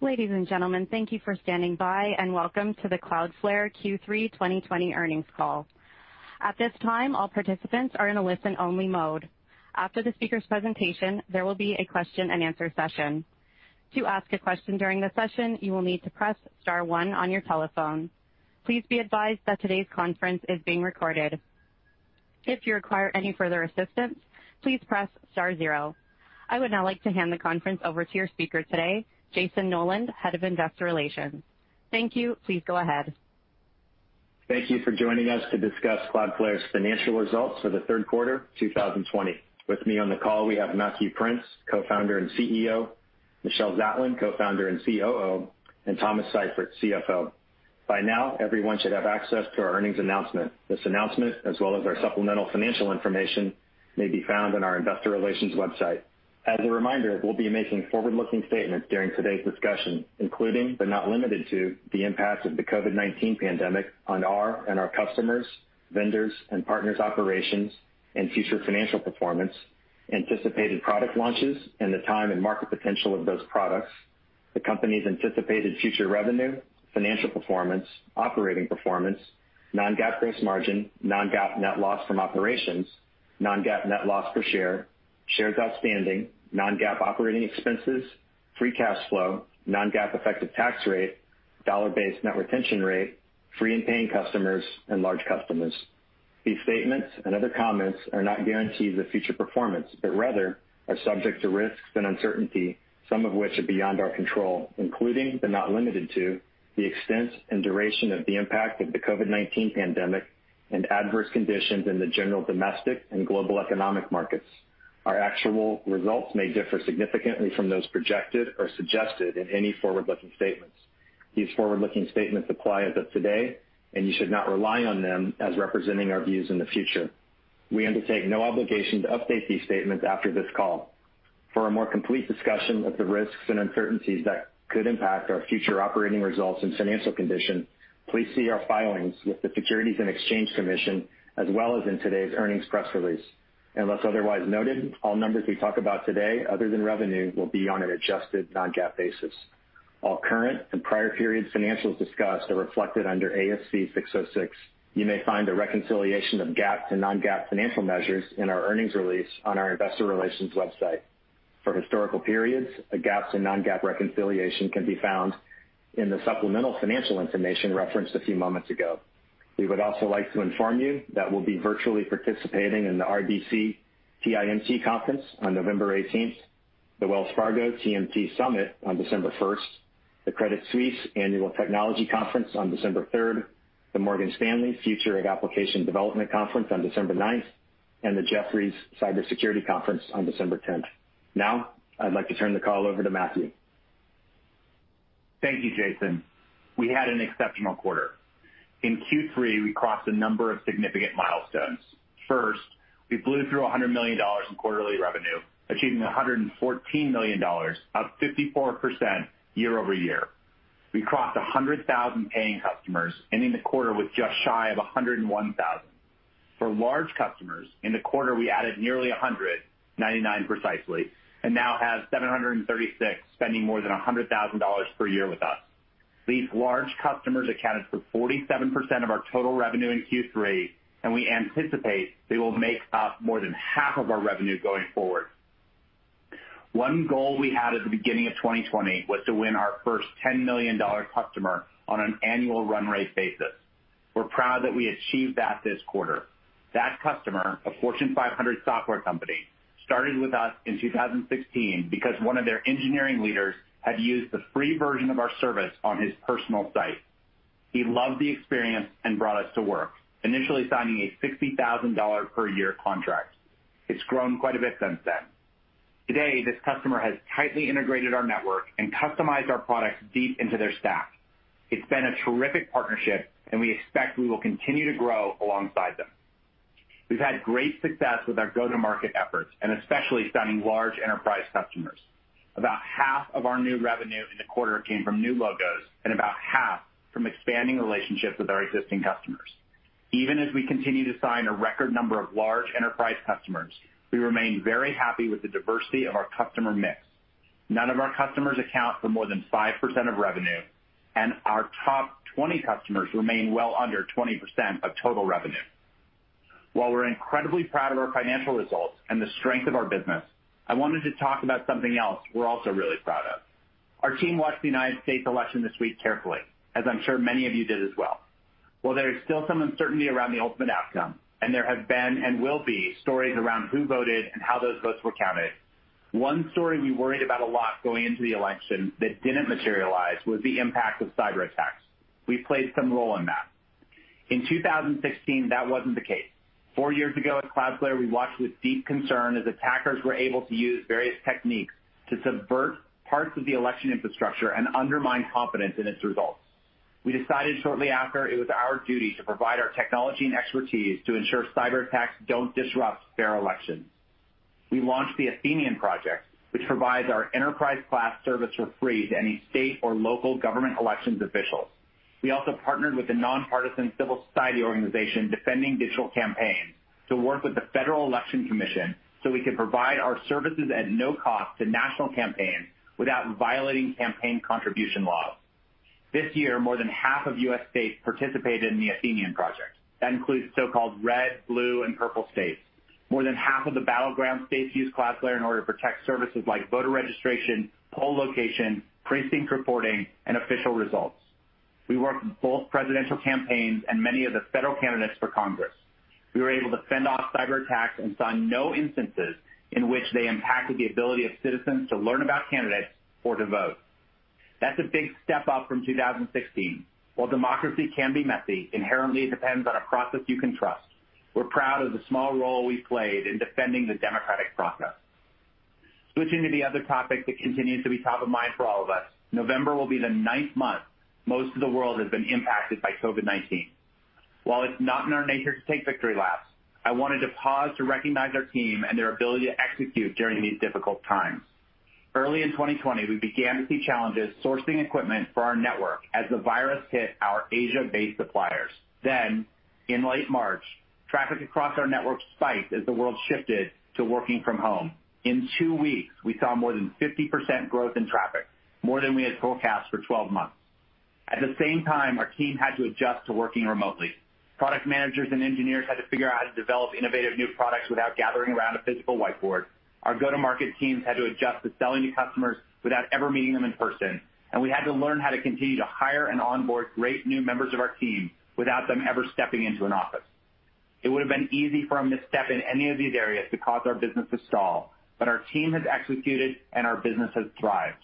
Ladies and gentlemen, thank you for standing by, and welcome to the Cloudflare Q3 2020 earnings call. At this time all participants are on a listen-only mode. After the speaker's presentation there will be a question-and-answer session. To ask a question during the session you will need to press star one on your telephone. Please be advise that today's conference is being recorded. If you require any further assistance, please press star zero. I would now like to hand the conference over to your speaker today, Jayson Noland, Head of Investor Relations. Thank you. Please go ahead. Thank you for joining us to discuss Cloudflare's financial results for the third quarter 2020. With me on the call we have Matthew Prince, Co-Founder and CEO, Michelle Zatlyn, Co-Founder and COO, and Thomas Seifert, CFO. By now, everyone should have access to our earnings announcement. This announcement, as well as our supplemental financial information, may be found on our investor relations website. As a reminder, we'll be making forward-looking statements during today's discussion, including, but not limited to, the impacts of the COVID-19 pandemic on our and our customers, vendors, and partners' operations and future financial performance, anticipated product launches, and the time and market potential of those products, the company's anticipated future revenue, financial performance, operating performance, non-GAAP gross margin, non-GAAP net loss from operations, non-GAAP net loss per share, shares outstanding, non-GAAP operating expenses, free cash flow, non-GAAP effective tax rate, dollar-based net retention rate, free and paying customers, and large customers. These statements and other comments are not guarantees of future performance, but rather are subject to risks and uncertainty, some of which are beyond our control, including, but not limited to, the extent and duration of the impact of the COVID-19 pandemic and adverse conditions in the general domestic and global economic markets. Our actual results may differ significantly from those projected or suggested in any forward-looking statements. These forward-looking statements apply as of today, and you should not rely on them as representing our views in the future. We undertake no obligation to update these statements after this call. For a more complete discussion of the risks and uncertainties that could impact our future operating results and financial condition, please see our filings with the Securities and Exchange Commission, as well as in today's earnings press release. Unless otherwise noted, all numbers we talk about today other than revenue will be on an adjusted non-GAAP basis. All current and prior period financials discussed are reflected under ASC 606. You may find a reconciliation of GAAP to non-GAAP financial measures in our earnings release on our investor relations website. For historical periods, a GAAP to non-GAAP reconciliation can be found in the supplemental financial information referenced a few moments ago. We would also like to inform you that we'll be virtually participating in the RBC TIMT Conference on November 18th, the Wells Fargo TMT Summit on December 1st, the Credit Suisse Annual Technology Conference on December 3rd, the Morgan Stanley Future of Application Development Conference on December 9th, and the Jefferies Cybersecurity Conference on December 10th. I'd like to turn the call over to Matthew. Thank you, Jayson. We had an exceptional quarter. In Q3, we crossed a number of significant milestones. First, we blew through $100 million in quarterly revenue, achieving $114 million, up 54% year-over-year. We crossed 100,000 paying customers, ending the quarter with just shy of 101,000. For large customers, in the quarter we added nearly 100, 99 precisely, and now have 736 spending more than $100,000 per year with us. These large customers accounted for 47% of our total revenue in Q3, and we anticipate they will make up more than half of our revenue going forward. One goal we had at the beginning of 2020 was to win our first $10 million customer on an annual run rate basis. We're proud that we achieved that this quarter. That customer, a Fortune 500 software company, started with us in 2016 because one of their engineering leaders had used the free version of our service on his personal site. He loved the experience and brought us to work, initially signing a $60,000 per year contract. It's grown quite a bit since then. Today, this customer has tightly integrated our network and customized our products deep into their stack. It's been a terrific partnership, and we expect we will continue to grow alongside them. We've had great success with our go-to-market efforts, especially signing large enterprise customers. About half of our new revenue in the quarter came from new logos, about half from expanding relationships with our existing customers. Even as we continue to sign a record number of large enterprise customers, we remain very happy with the diversity of our customer mix. None of our customers account for more than 5% of revenue, and our top 20 customers remain well under 20% of total revenue. While we're incredibly proud of our financial results and the strength of our business, I wanted to talk about something else we're also really proud of. Our team watched the United States election this week carefully, as I'm sure many of you did as well. While there is still some uncertainty around the ultimate outcome, and there have been and will be stories around who voted and how those votes were counted, one story we worried about a lot going into the election that didn't materialize was the impact of cyberattacks. We played some role in that. In 2016, that wasn't the case. Four years ago, at Cloudflare, we watched with deep concern as attackers were able to use various techniques to subvert parts of the election infrastructure and undermine confidence in its results. We decided shortly after it was our duty to provide our technology and expertise to ensure cyberattacks don't disrupt fair elections. We launched the Athenian Project, which provides our enterprise class service for free to any state or local government elections officials. We also partnered with the nonpartisan civil society organization Defending Digital Campaigns to work with the Federal Election Commission. We could provide our services at no cost to national campaigns without violating campaign contribution laws. This year, more than half of U.S. states participated in the Athenian Project. That includes so-called red, blue, and purple states. More than half of the battleground states used Cloudflare in order to protect services like voter registration, poll location, precinct reporting, and official results. We worked with both presidential campaigns and many of the federal candidates for Congress. We were able to fend off cyberattacks and saw no instances in which they impacted the ability of citizens to learn about candidates or to vote. That's a big step up from 2016. While democracy can be messy, inherently it depends on a process you can trust. We're proud of the small role we played in defending the democratic process. Switching to the other topic that continues to be top of mind for all of us, November will be the ninth month most of the world has been impacted by COVID-19. While it's not in our nature to take victory laps, I wanted to pause to recognize our team and their ability to execute during these difficult times. Early in 2020, we began to see challenges sourcing equipment for our network as the virus hit our Asia-based suppliers. In late March, traffic across our network spiked as the world shifted to working from home. In two weeks, we saw more than 50% growth in traffic, more than we had forecast for 12 months. At the same time, our team had to adjust to working remotely. Product managers and engineers had to figure out how to develop innovative new products without gathering around a physical whiteboard. Our go-to-market teams had to adjust to selling to customers without ever meeting them in person, and we had to learn how to continue to hire and onboard great new members of our team without them ever stepping into an office. It would have been easy for them to step in any of these areas to cause our business to stall, but our team has executed, and our business has thrived.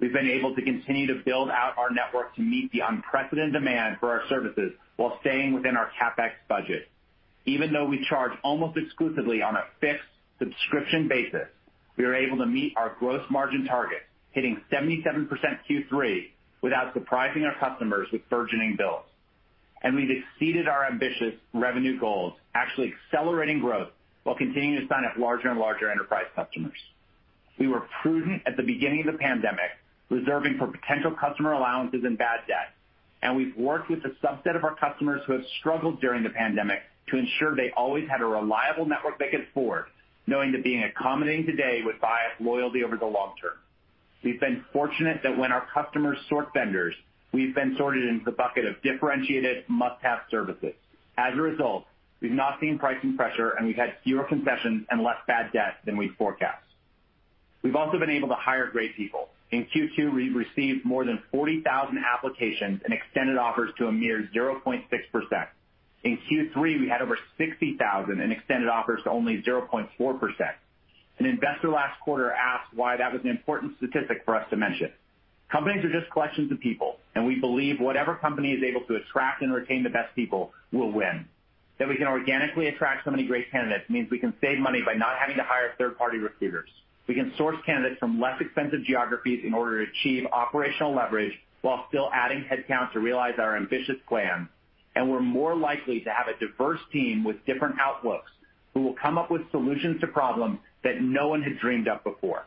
We've been able to continue to build out our network to meet the unprecedented demand for our services while staying within our CapEx budget. Even though we charge almost exclusively on a fixed subscription basis, we were able to meet our gross margin target, hitting 77% Q3 without surprising our customers with burgeoning bills. We've exceeded our ambitious revenue goals, actually accelerating growth while continuing to sign up larger and larger enterprise customers. We were prudent at the beginning of the pandemic, reserving for potential customer allowances and bad debt, and we've worked with a subset of our customers who have struggled during the pandemic to ensure they always had a reliable network they could afford, knowing that being accommodating today would buy us loyalty over the long term. We've been fortunate that when our customers sort vendors, we've been sorted into the bucket of differentiated must-have services. As a result, we've not seen pricing pressure, and we've had fewer concessions and less bad debt than we'd forecast. We've also been able to hire great people. In Q2, we received more than 40,000 applications and extended offers to a mere 0.6%. In Q3, we had over 60,000 and extended offers to only 0.4%. An investor last quarter asked why that was an important statistic for us to mention. Companies are just collections of people, and we believe whatever company is able to attract and retain the best people will win. That we can organically attract so many great candidates means we can save money by not having to hire third-party recruiters. We can source candidates from less expensive geographies in order to achieve operational leverage while still adding headcount to realize our ambitious plans. We're more likely to have a diverse team with different outlooks who will come up with solutions to problems that no one had dreamed up before.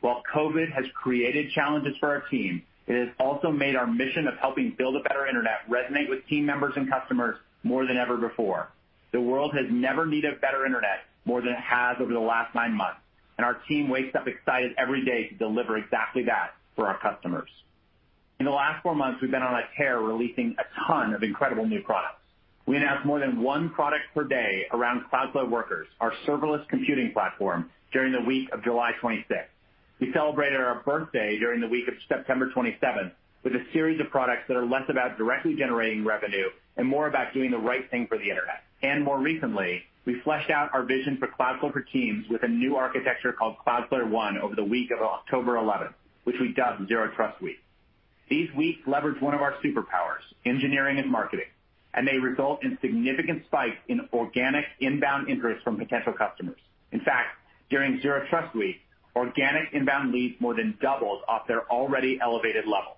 While COVID-19 has created challenges for our team, it has also made our mission of helping build a better internet resonate with team members and customers more than ever before. The world has never needed better internet more than it has over the last nine months, and our team wakes up excited every day to deliver exactly that for our customers. In the last four months, we've been on a tear releasing a ton of incredible new products. We announced more than one product per day around Cloudflare Workers, our serverless computing platform, during the week of July 26th. We celebrated our birthday during the week of September 27th with a series of products that are less about directly generating revenue and more about doing the right thing for the internet. More recently, we fleshed out our vision for Cloudflare for Teams with a new architecture called Cloudflare One over the week of October 11th, which we dubbed Zero Trust Week. These weeks leverage one of our superpowers, engineering and marketing, and they result in significant spikes in organic inbound interest from potential customers. In fact, during Zero Trust Week, organic inbound leads more than doubled off their already elevated level.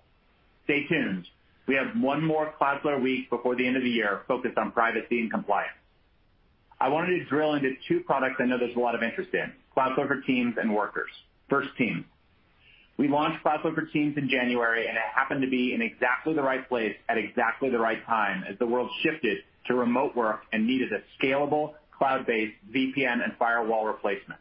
Stay tuned. We have one more Cloudflare week before the end of the year focused on privacy and compliance. I wanted to drill into two products I know there's a lot of interest in, Cloudflare for Teams and Workers. First, Teams. We launched Cloudflare for Teams in January, and it happened to be in exactly the right place at exactly the right time as the world shifted to remote work and needed a scalable, cloud-based VPN and firewall replacement.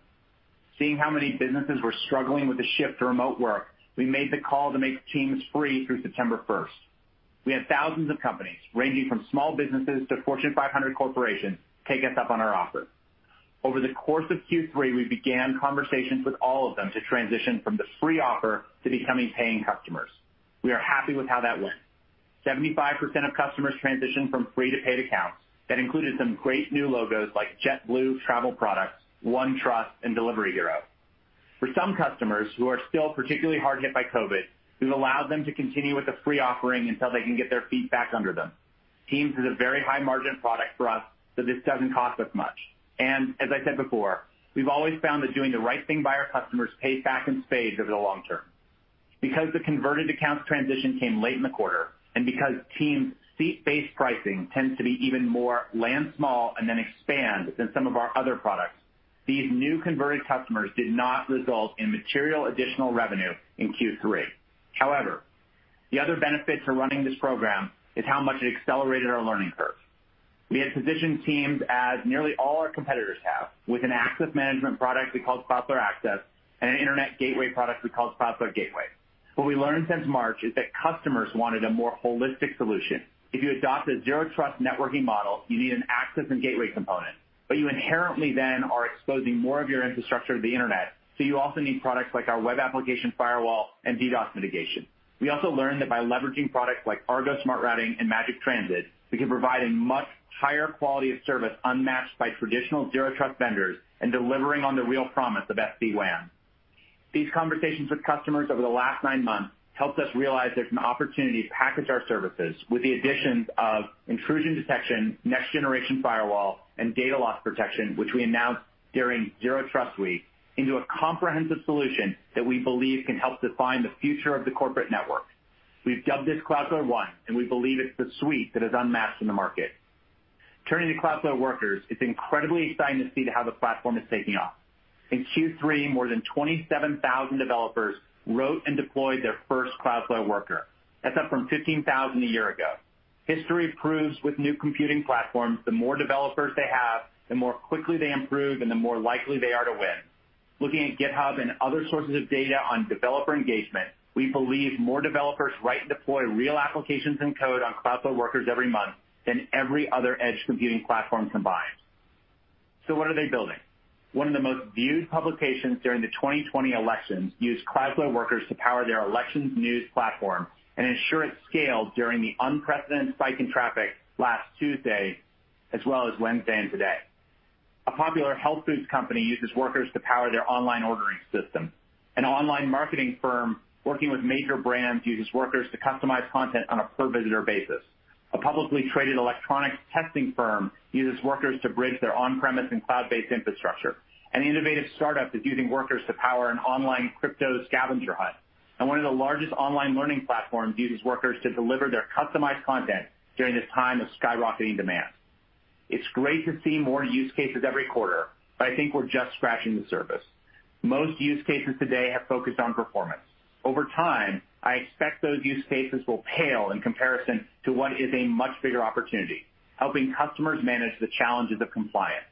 Seeing how many businesses were struggling with the shift to remote work, we made the call to make Teams free through September 1st. We had thousands of companies, ranging from small businesses to Fortune 500 corporations, take us up on our offer. Over the course of Q3, we began conversations with all of them to transition from the free offer to becoming paying customers. We are happy with how that went. 75% of customers transitioned from free to paid accounts. That included some great new logos like JetBlue Travel Products, OneTrust, and Delivery Hero. For some customers who are still particularly hard hit by COVID-19, we've allowed them to continue with the free offering until they can get their feet back under them. Teams is a very high-margin product for us, so this doesn't cost us much. As I said before, we've always found that doing the right thing by our customers pays back in spades over the long term. Because the converted accounts transition came late in the quarter, and because Teams' seat-based pricing tends to be even more land small and then expand than some of our other products. These new converted customers did not result in material additional revenue in Q3. However, the other benefit to running this program is how much it accelerated our learning curve. We had positioned Teams as nearly all our competitors have with an access management product we called Cloudflare Access and an internet gateway product we called Cloudflare Gateway. What we learned since March is that customers wanted a more holistic solution. If you adopt a Zero Trust networking model, you need an access and gateway component, but you inherently then are exposing more of your infrastructure to the Internet, so you also need products like our web application firewall and DDoS mitigation. We also learned that by leveraging products like Argo Smart Routing and Magic Transit, we can provide a much higher quality of service unmatched by traditional Zero Trust vendors and delivering on the real promise of SD-WAN. These conversations with customers over the last nine months helped us realize there's an opportunity to package our services with the addition of intrusion detection, next generation firewall, and data loss protection, which we announced during Zero Trust Week, into a comprehensive solution that we believe can help define the future of the corporate network. We've dubbed this Cloudflare One, and we believe it's the suite that is unmatched in the market. Turning to Cloudflare Workers, it's incredibly exciting to see how the platform is taking off. In Q3, more than 27,000 developers wrote and deployed their first Cloudflare Worker. That's up from 15,000 a year ago. History proves with new computing platforms, the more developers they have, the more quickly they improve and the more likely they are to win. Looking at GitHub and other sources of data on developer engagement, we believe more developers write and deploy real applications and code on Cloudflare Workers every month than every other edge computing platform combined. What are they building? One of the most viewed publications during the 2020 elections used Cloudflare Workers to power their elections news platform and ensure it scaled during the unprecedented spike in traffic last Tuesday as well as Wednesday and today. A popular health foods company uses Workers to power their online ordering system. An online marketing firm working with major brands uses Workers to customize content on a per visitor basis. A publicly traded electronic testing firm uses Workers to bridge their on-premise and cloud-based infrastructure. An innovative startup is using Workers to power an online crypto scavenger hunt. One of the largest online learning platforms uses Workers to deliver their customized content during this time of skyrocketing demand. It's great to see more use cases every quarter, but I think we're just scratching the surface. Most use cases today have focused on performance. Over time, I expect those use cases will pale in comparison to what is a much bigger opportunity, helping customers manage the challenges of compliance.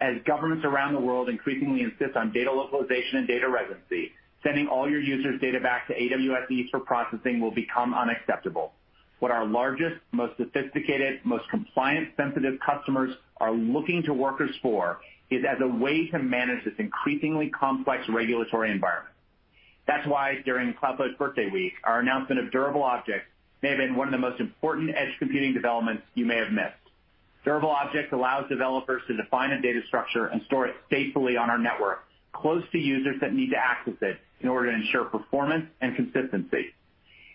As governments around the world increasingly insist on data localization and data residency, sending all your users' data back to AWS East for processing will become unacceptable. What our largest, most sophisticated, most compliance-sensitive customers are looking to Workers for is as a way to manage this increasingly complex regulatory environment. That's why during Cloudflare's birthday week, our announcement of Durable Objects may have been one of the most important edge computing developments you may have missed. Durable Objects allows developers to define a data structure and store it safely on our network, close to users that need to access it in order to ensure performance and consistency.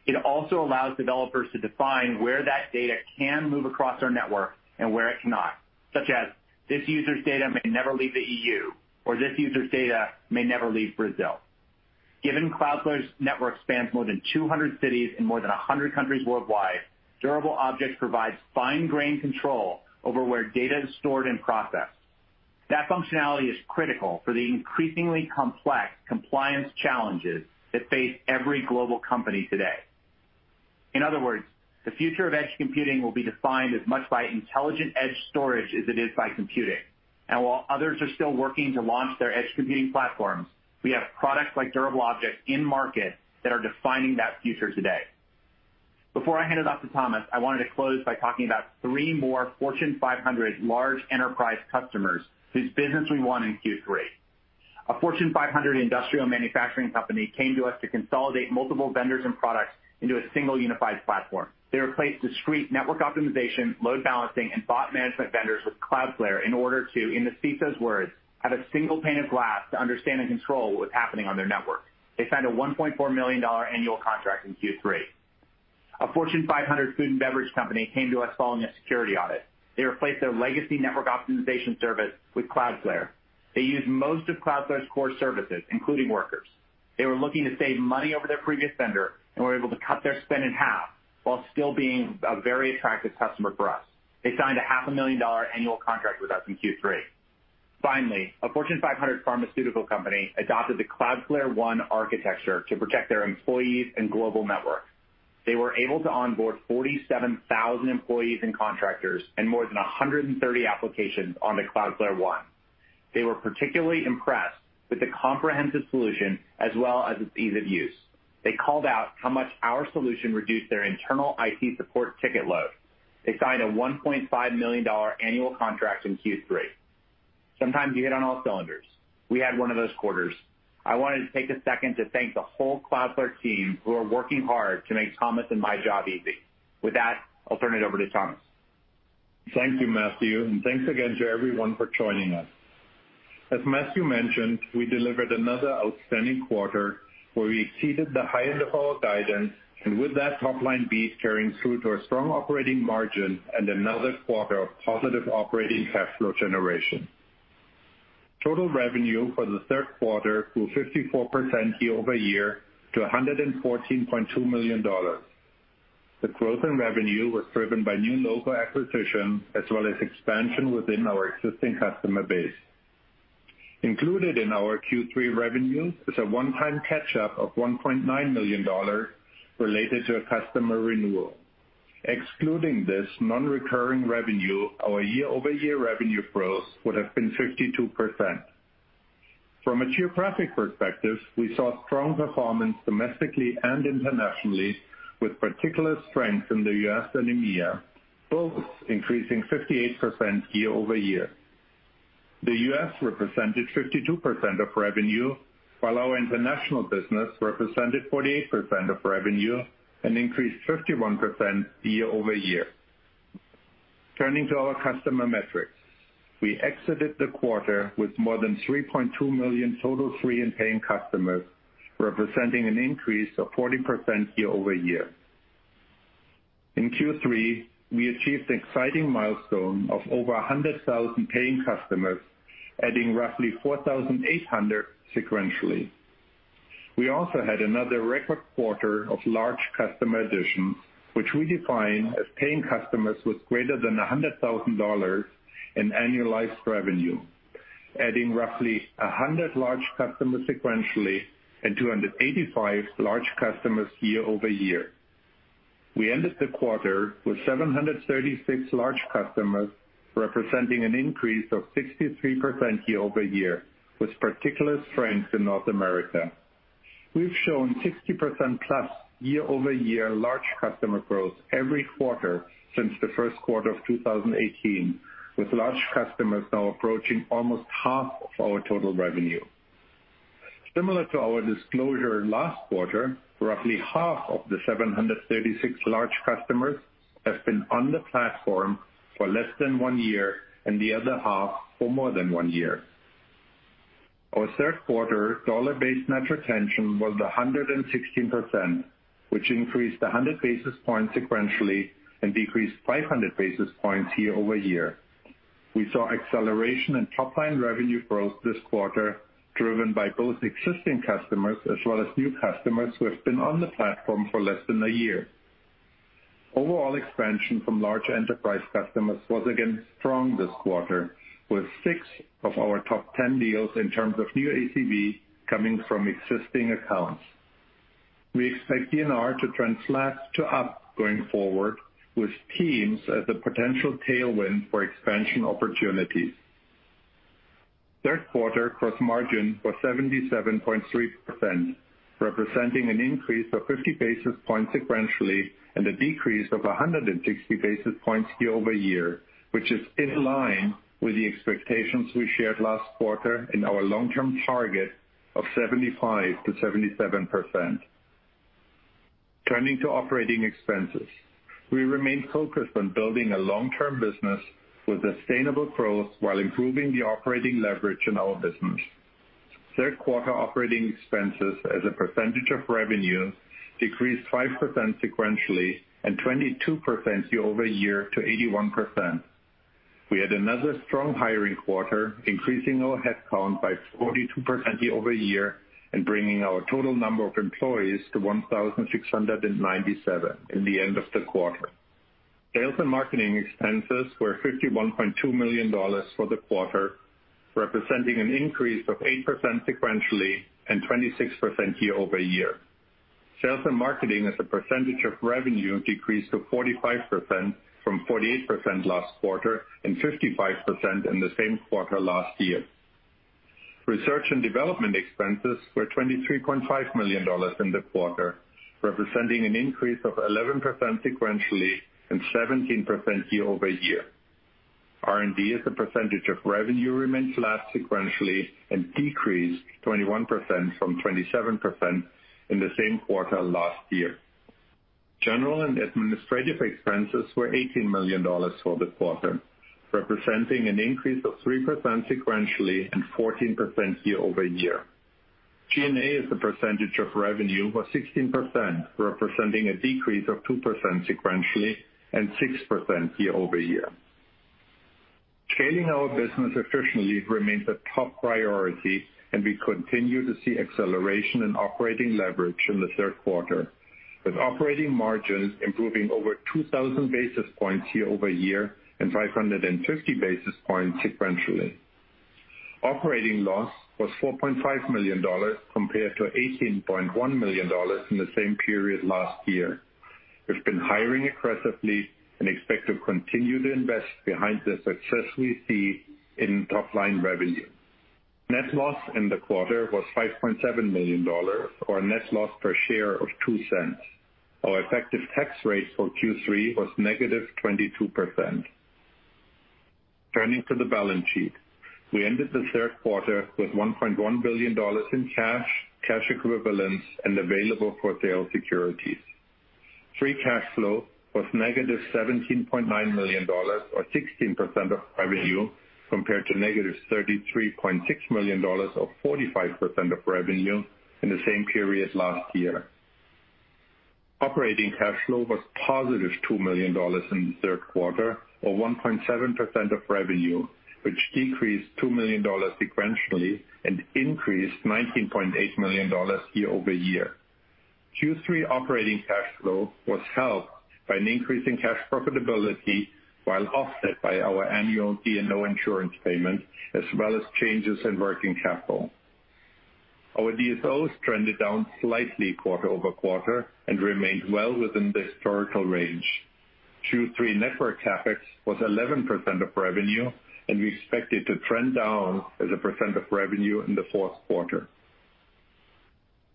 It also allows developers to define where that data can move across our network and where it cannot, such as this user's data may never leave the EU or this user's data may never leave Brazil. Given Cloudflare's network spans more than 200 cities in more than 100 countries worldwide, Durable Objects provides fine-grained control over where data is stored and processed. That functionality is critical for the increasingly complex compliance challenges that face every global company today. In other words, the future of edge computing will be defined as much by intelligent edge storage as it is by computing. While others are still working to launch their edge computing platforms, we have products like Durable Objects in market that are defining that future today. Before I hand it off to Thomas, I wanted to close by talking about three more Fortune 500 large enterprise customers whose business we won in Q3. A Fortune 500 industrial manufacturing company came to us to consolidate multiple vendors and products into a single unified platform. They replaced discrete network optimization, load balancing, and bot management vendors with Cloudflare in order to, in the CISO's words, have a single pane of glass to understand and control what was happening on their network. They signed a $1.4 million annual contract in Q3. A Fortune 500 food and beverage company came to us following a security audit. They replaced their legacy network optimization service with Cloudflare. They used most of Cloudflare's core services, including Workers. They were looking to save money over their previous vendor and were able to cut their spend in half while still being a very attractive customer for us. They signed a $500,000 annual contract with us in Q3. Finally, a Fortune 500 pharmaceutical company adopted the Cloudflare One architecture to protect their employees and global network. They were able to onboard 47,000 employees and contractors and more than 130 applications on the Cloudflare One. They were particularly impressed with the comprehensive solution as well as its ease of use. They called out how much our solution reduced their internal IT support ticket load. They signed a $1.5 million annual contract in Q3. Sometimes you hit on all cylinders. We had one of those quarters. I wanted to take a second to thank the whole Cloudflare team who are working hard to make Thomas and my job easy. With that, I'll turn it over to Thomas. Thank you, Matthew, and thanks again to everyone for joining us. As Matthew mentioned, we delivered another outstanding quarter where we exceeded the high end of our guidance, and with that top line beat carrying through to a strong operating margin and another quarter of positive operating cash flow generation. Total revenue for the third quarter grew 54% year-over-year to $114.2 million. The growth in revenue was driven by new logo acquisition as well as expansion within our existing customer base. Included in our Q3 revenue is a one-time catch up of $1.9 million related to a customer renewal. Excluding this non-recurring revenue, our year-over-year revenue growth would have been 52%. From a geographic perspective, we saw strong performance domestically and internationally, with particular strength in the U.S. and EMEA, both increasing 58% year-over-year. The U.S. represented 52% of revenue, while our international business represented 48% of revenue and increased 51% year-over-year. Turning to our customer metrics. We exited the quarter with more than 3.2 million total free and paying customers, representing an increase of 40% year-over-year. In Q3, we achieved an exciting milestone of over 100,000 paying customers, adding roughly 4,800 sequentially. We also had another record quarter of large customer additions, which we define as paying customers with greater than $100,000 in annualized revenue, adding roughly 100 large customers sequentially and 285 large customers year-over-year. We ended the quarter with 736 large customers, representing an increase of 63% year-over-year, with particular strength in North America. We've shown 60%-plus year-over-year large customer growth every quarter since the first quarter of 2018, with large customers now approaching almost half of our total revenue. Similar to our disclosure last quarter, roughly half of the 736 large customers have been on the platform for less than one year and the other half for more than one year. Our third quarter Dollar-Based Net Retention was 116%, which increased 100 basis points sequentially and decreased 500 basis points year-over-year. We saw acceleration in top line revenue growth this quarter, driven by both existing customers as well as new customers who have been on the platform for less than a year. Overall expansion from large enterprise customers was again strong this quarter, with six of our top 10 deals in terms of new ACV coming from existing accounts. We expect DNR to trend flat to up going forward, with Teams as a potential tailwind for expansion opportunities. Third quarter gross margin was 77.3%, representing an increase of 50 basis points sequentially and a decrease of 160 basis points year-over-year, which is in line with the expectations we shared last quarter in our long-term target of 75%-77%. Turning to operating expenses. We remain focused on building a long-term business with sustainable growth while improving the operating leverage in our business. Third quarter operating expenses as a percentage of revenue decreased 5% sequentially and 22% year-over-year to 81%. We had another strong hiring quarter, increasing our headcount by 42% year-over-year and bringing our total number of employees to 1,697 in the end of the quarter. Sales and marketing expenses were $51.2 million for the quarter, representing an increase of 8% sequentially and 26% year-over-year. Sales and marketing as a percentage of revenue decreased to 45% from 48% last quarter and 55% in the same quarter last year. Research and development expenses were $23.5 million in the quarter, representing an increase of 11% sequentially and 17% year-over-year. R&D as a percentage of revenue remained flat sequentially and decreased 21% from 27% in the same quarter last year. General and administrative expenses were $18 million for the quarter, representing an increase of 3% sequentially and 14% year-over-year. G&A as a percentage of revenue was 16%, representing a decrease of 2% sequentially and 6% year-over-year. Scaling our business efficiently remains a top priority, and we continue to see acceleration in operating leverage in the third quarter, with operating margins improving over 2,000 basis points year-over-year and 550 basis points sequentially. Operating loss was $4.5 million compared to $18.1 million in the same period last year. We've been hiring aggressively and expect to continue to invest behind the success we see in top line revenue. Net loss in the quarter was $5.7 million or a net loss per share of $0.02. Our effective tax rate for Q3 was -22%. Turning to the balance sheet. We ended the third quarter with $1.1 billion in cash equivalents and available-for-sale securities. Free cash flow was -$17.9 million or 16% of revenue, compared to -$33.6 million or 45% of revenue in the same period last year. Operating cash flow was +$2 million in the third quarter or 1.7% of revenue, which decreased $2 million sequentially and increased $19.8 million year-over-year. Q3 operating cash flow was helped by an increase in cash profitability while offset by our annual D&O insurance payment, as well as changes in working capital. Our DSO trended down slightly quarter-over-quarter and remained well within the historical range. Q3 network CapEx was 11% of revenue, and we expect it to trend down as a percent of revenue in the fourth quarter.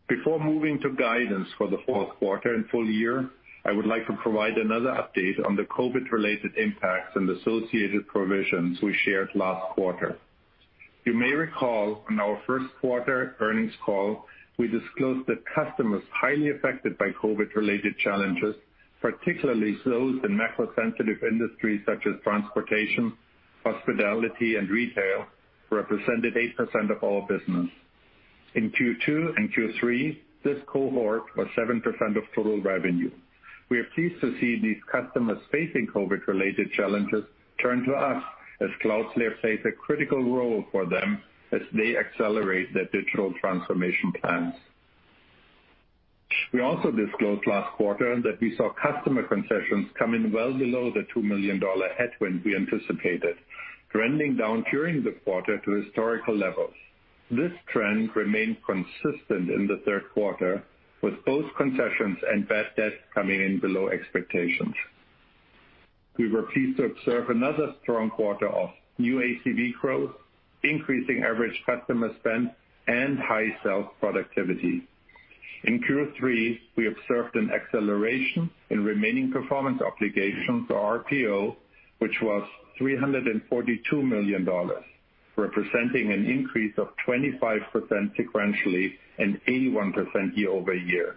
Before moving to guidance for the fourth quarter and full year, I would like to provide another update on the COVID-related impacts and associated provisions we shared last quarter. You may recall on our first quarter earnings call, we disclosed that customers highly affected by COVID-related challenges, particularly those in macro-sensitive industries such as transportation, hospitality and retail, represented 8% of our business. In Q2 and Q3, this cohort was 7% of total revenue. We are pleased to see these customers facing COVID-related challenges turn to us as Cloudflare plays a critical role for them as they accelerate their digital transformation plans. We also disclosed last quarter that we saw customer concessions come in well below the $2 million headwind we anticipated, trending down during the quarter to historical levels. This trend remained consistent in the third quarter, with both concessions and bad debts coming in below expectations. We were pleased to observe another strong quarter of new ACV growth, increasing average customer spend, and high sales productivity. In Q3, we observed an acceleration in Remaining Performance Obligations, or RPO, which was $342 million, representing an increase of 25% sequentially and 81% year-over-year.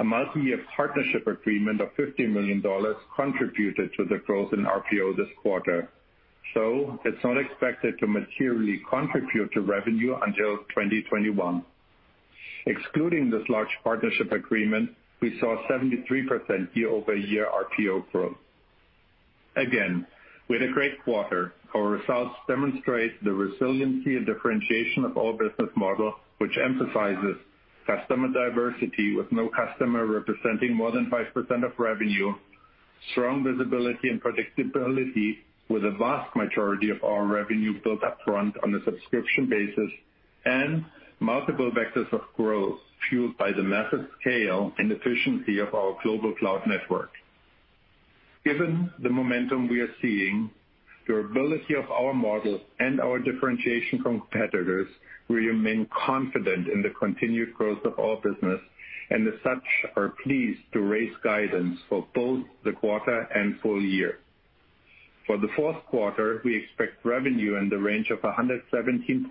A multi-year partnership agreement of $50 million contributed to the growth in RPO this quarter. It's not expected to materially contribute to revenue until 2021. Excluding this large partnership agreement, we saw 73% year-over-year RPO growth. Again, with a great quarter, our results demonstrate the resiliency and differentiation of our business model, which emphasizes customer diversity with no customer representing more than 5% of revenue, strong visibility and predictability with a vast majority of our revenue built up front on a subscription basis, and multiple vectors of growth fueled by the massive scale and efficiency of our global cloud network. Given the momentum we are seeing, durability of our model and our differentiation from competitors, we remain confident in the continued growth of our business and as such are pleased to raise guidance for both the quarter and full year. For the fourth quarter, we expect revenue in the range of $117.5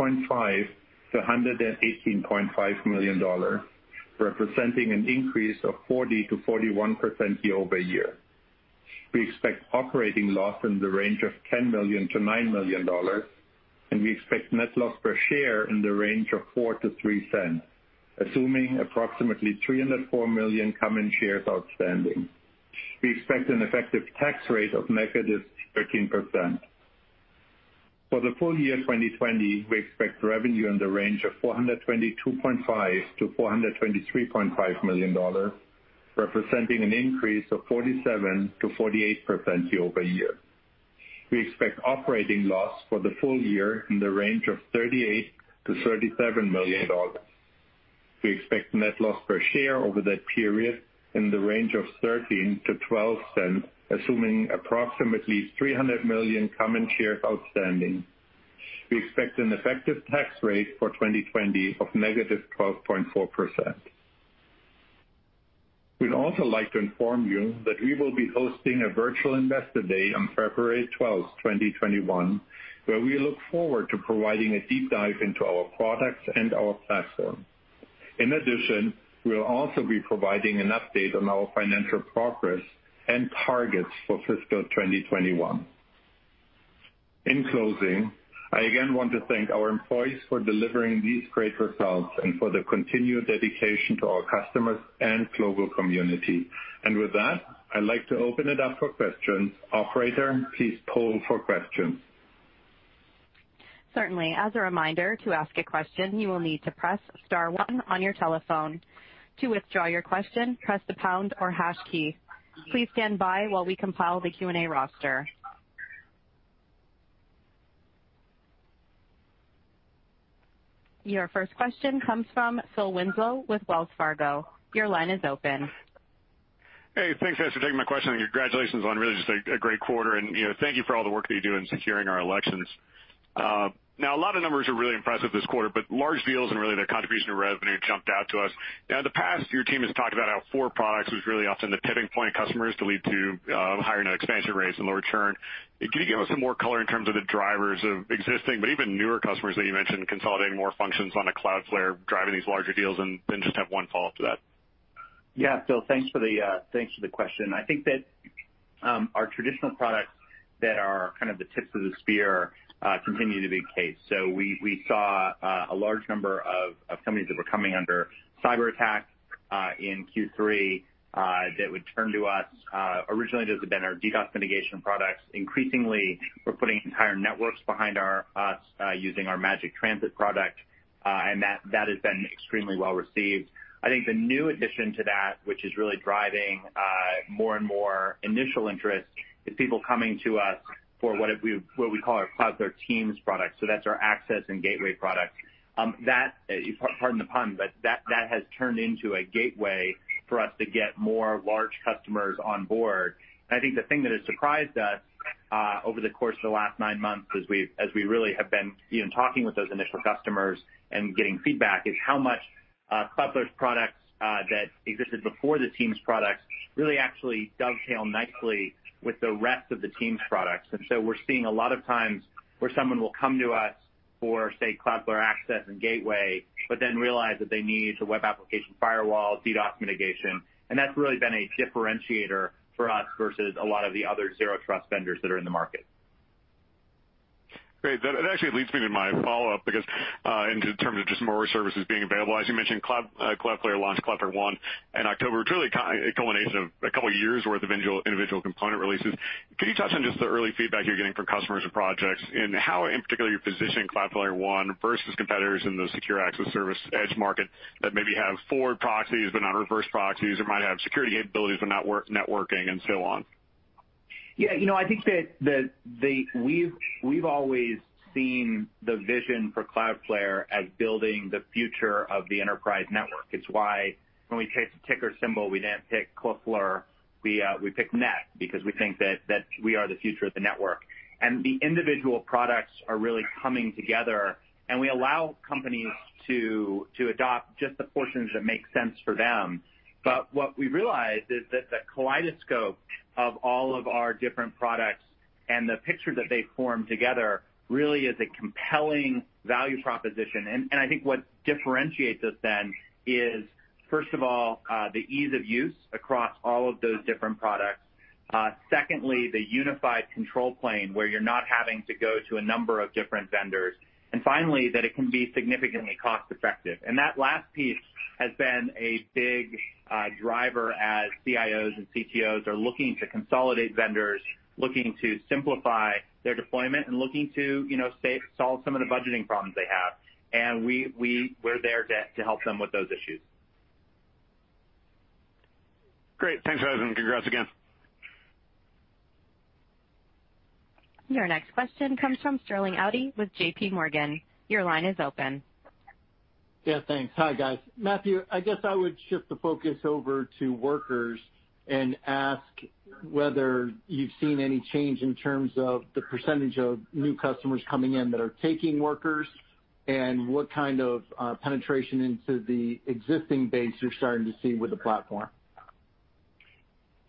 million-$118.5 million, representing an increase of 40%-41% year-over-year. We expect operating loss in the range of $10 million-$9 million, and we expect net loss per share in the range of $0.04-$0.03, assuming approximately 304 million common shares outstanding. We expect an effective tax rate of -13%. For the full year 2020, we expect revenue in the range of $422.5 million-$423.5 million, representing an increase of 47%-48% year-over-year. We expect operating loss for the full year in the range of $38 million-$37 million. We expect net loss per share over that period in the range of $0.13-$0.12, assuming approximately 300 million common shares outstanding. We expect an effective tax rate for 2020 of -12.4%. We'd also like to inform you that we will be hosting a virtual Investor Day on February 12, 2021, where we look forward to providing a deep dive into our products and our platform. In addition, we'll also be providing an update on our financial progress and targets for fiscal 2021. In closing, I again want to thank our employees for delivering these great results and for their continued dedication to our customers and global community. With that, I'd like to open it up for questions. Operator, please poll for questions. Certainly. As a reminder, to ask a question, you will need to press star one on your telephone. To withdraw your question, press the pound or hash key. Please stand by while we compile the Q&A roster. Your first question comes from Phil Winslow with Wells Fargo. Your line is open. Thanks guys for taking my question, congratulations on really just a great quarter. You know, thank you for all the work that you do in securing our elections. Now a lot of numbers are really impressive this quarter, large deals and really their contribution to revenue jumped out to us. Now, in the past, your team has talked about how four products was really often the pivoting point of customers to lead to higher net expansion rates and lower churn. Can you give us some more color in terms of the drivers of existing, but even newer customers that you mentioned consolidating more functions on Cloudflare driving these larger deals? Then just have one follow-up to that. Yeah, Phil, thanks for the thanks for the question. I think that our traditional products that are kind of the tips of the spear continue to be the case. We saw a large number of companies that were coming under cyberattack in Q3 that would turn to us, originally just had been our DDoS mitigation products. Increasingly, we're putting entire networks behind us, using our Magic Transit product. That, that has been extremely well received. I think the new addition to that, which is really driving more and more initial interest is people coming to us for what we call our Cloudflare Teams product, so that's our Access and Gateway product. That, pardon the pun, but that has turned into a gateway for us to get more large customers on board. I think the thing that has surprised us over the course of the last nine months as we really have been even talking with those initial customers and getting feedback, is how much Cloudflare's products that existed before the Teams product really actually dovetail nicely with the rest of the Teams products. We're seeing a lot of times where someone will come to us for, say, Cloudflare Access and Gateway, but then realize that they need a web application firewall, DDoS mitigation. That's really been a differentiator for us versus a lot of the other Zero Trust vendors that are in the market. Great. That actually leads me to my follow-up because in terms of just more services being available, as you mentioned, Cloudflare launched Cloudflare One in October, which really a culmination of a couple of years' worth of individual component releases. Could you touch on just the early feedback you're getting from customers and projects and how in particular you're positioning Cloudflare One versus competitors in the Secure Access Service Edge market that maybe have forward proxies but not reverse proxies or might have security capabilities but not networking and so on? Yeah, you know, I think that we've always seen the vision for Cloudflare as building the future of the enterprise network. It's why when we chose the ticker symbol, we didn't pick Cloudflare. We picked NET because we think that we are the future of the network. The individual products are really coming together, and we allow companies to adopt just the portions that make sense for them. What we realized is that the kaleidoscope of all of our different products and the picture that they form together really is a compelling value proposition. I think what differentiates us then is, first of all, the ease of use across all of those different products. Secondly, the unified control plane where you're not having to go to a number of different vendors. Finally, that it can be significantly cost-effective. That last piece has been a big driver as CIOs and CTOs are looking to consolidate vendors, looking to simplify their deployment and looking to, you know, say, solve some of the budgeting problems they have. We're there to help them with those issues. Great. Thanks for that, and congrats again. Your next question comes from Sterling Auty with JPMorgan. Your line is open. Yeah, thanks. Hi, guys. Matthew, I guess I would shift the focus over to Workers and ask whether you've seen any change in terms of the percentage of new customers coming in that are taking Workers and what kind of penetration into the existing base you're starting to see with the platform.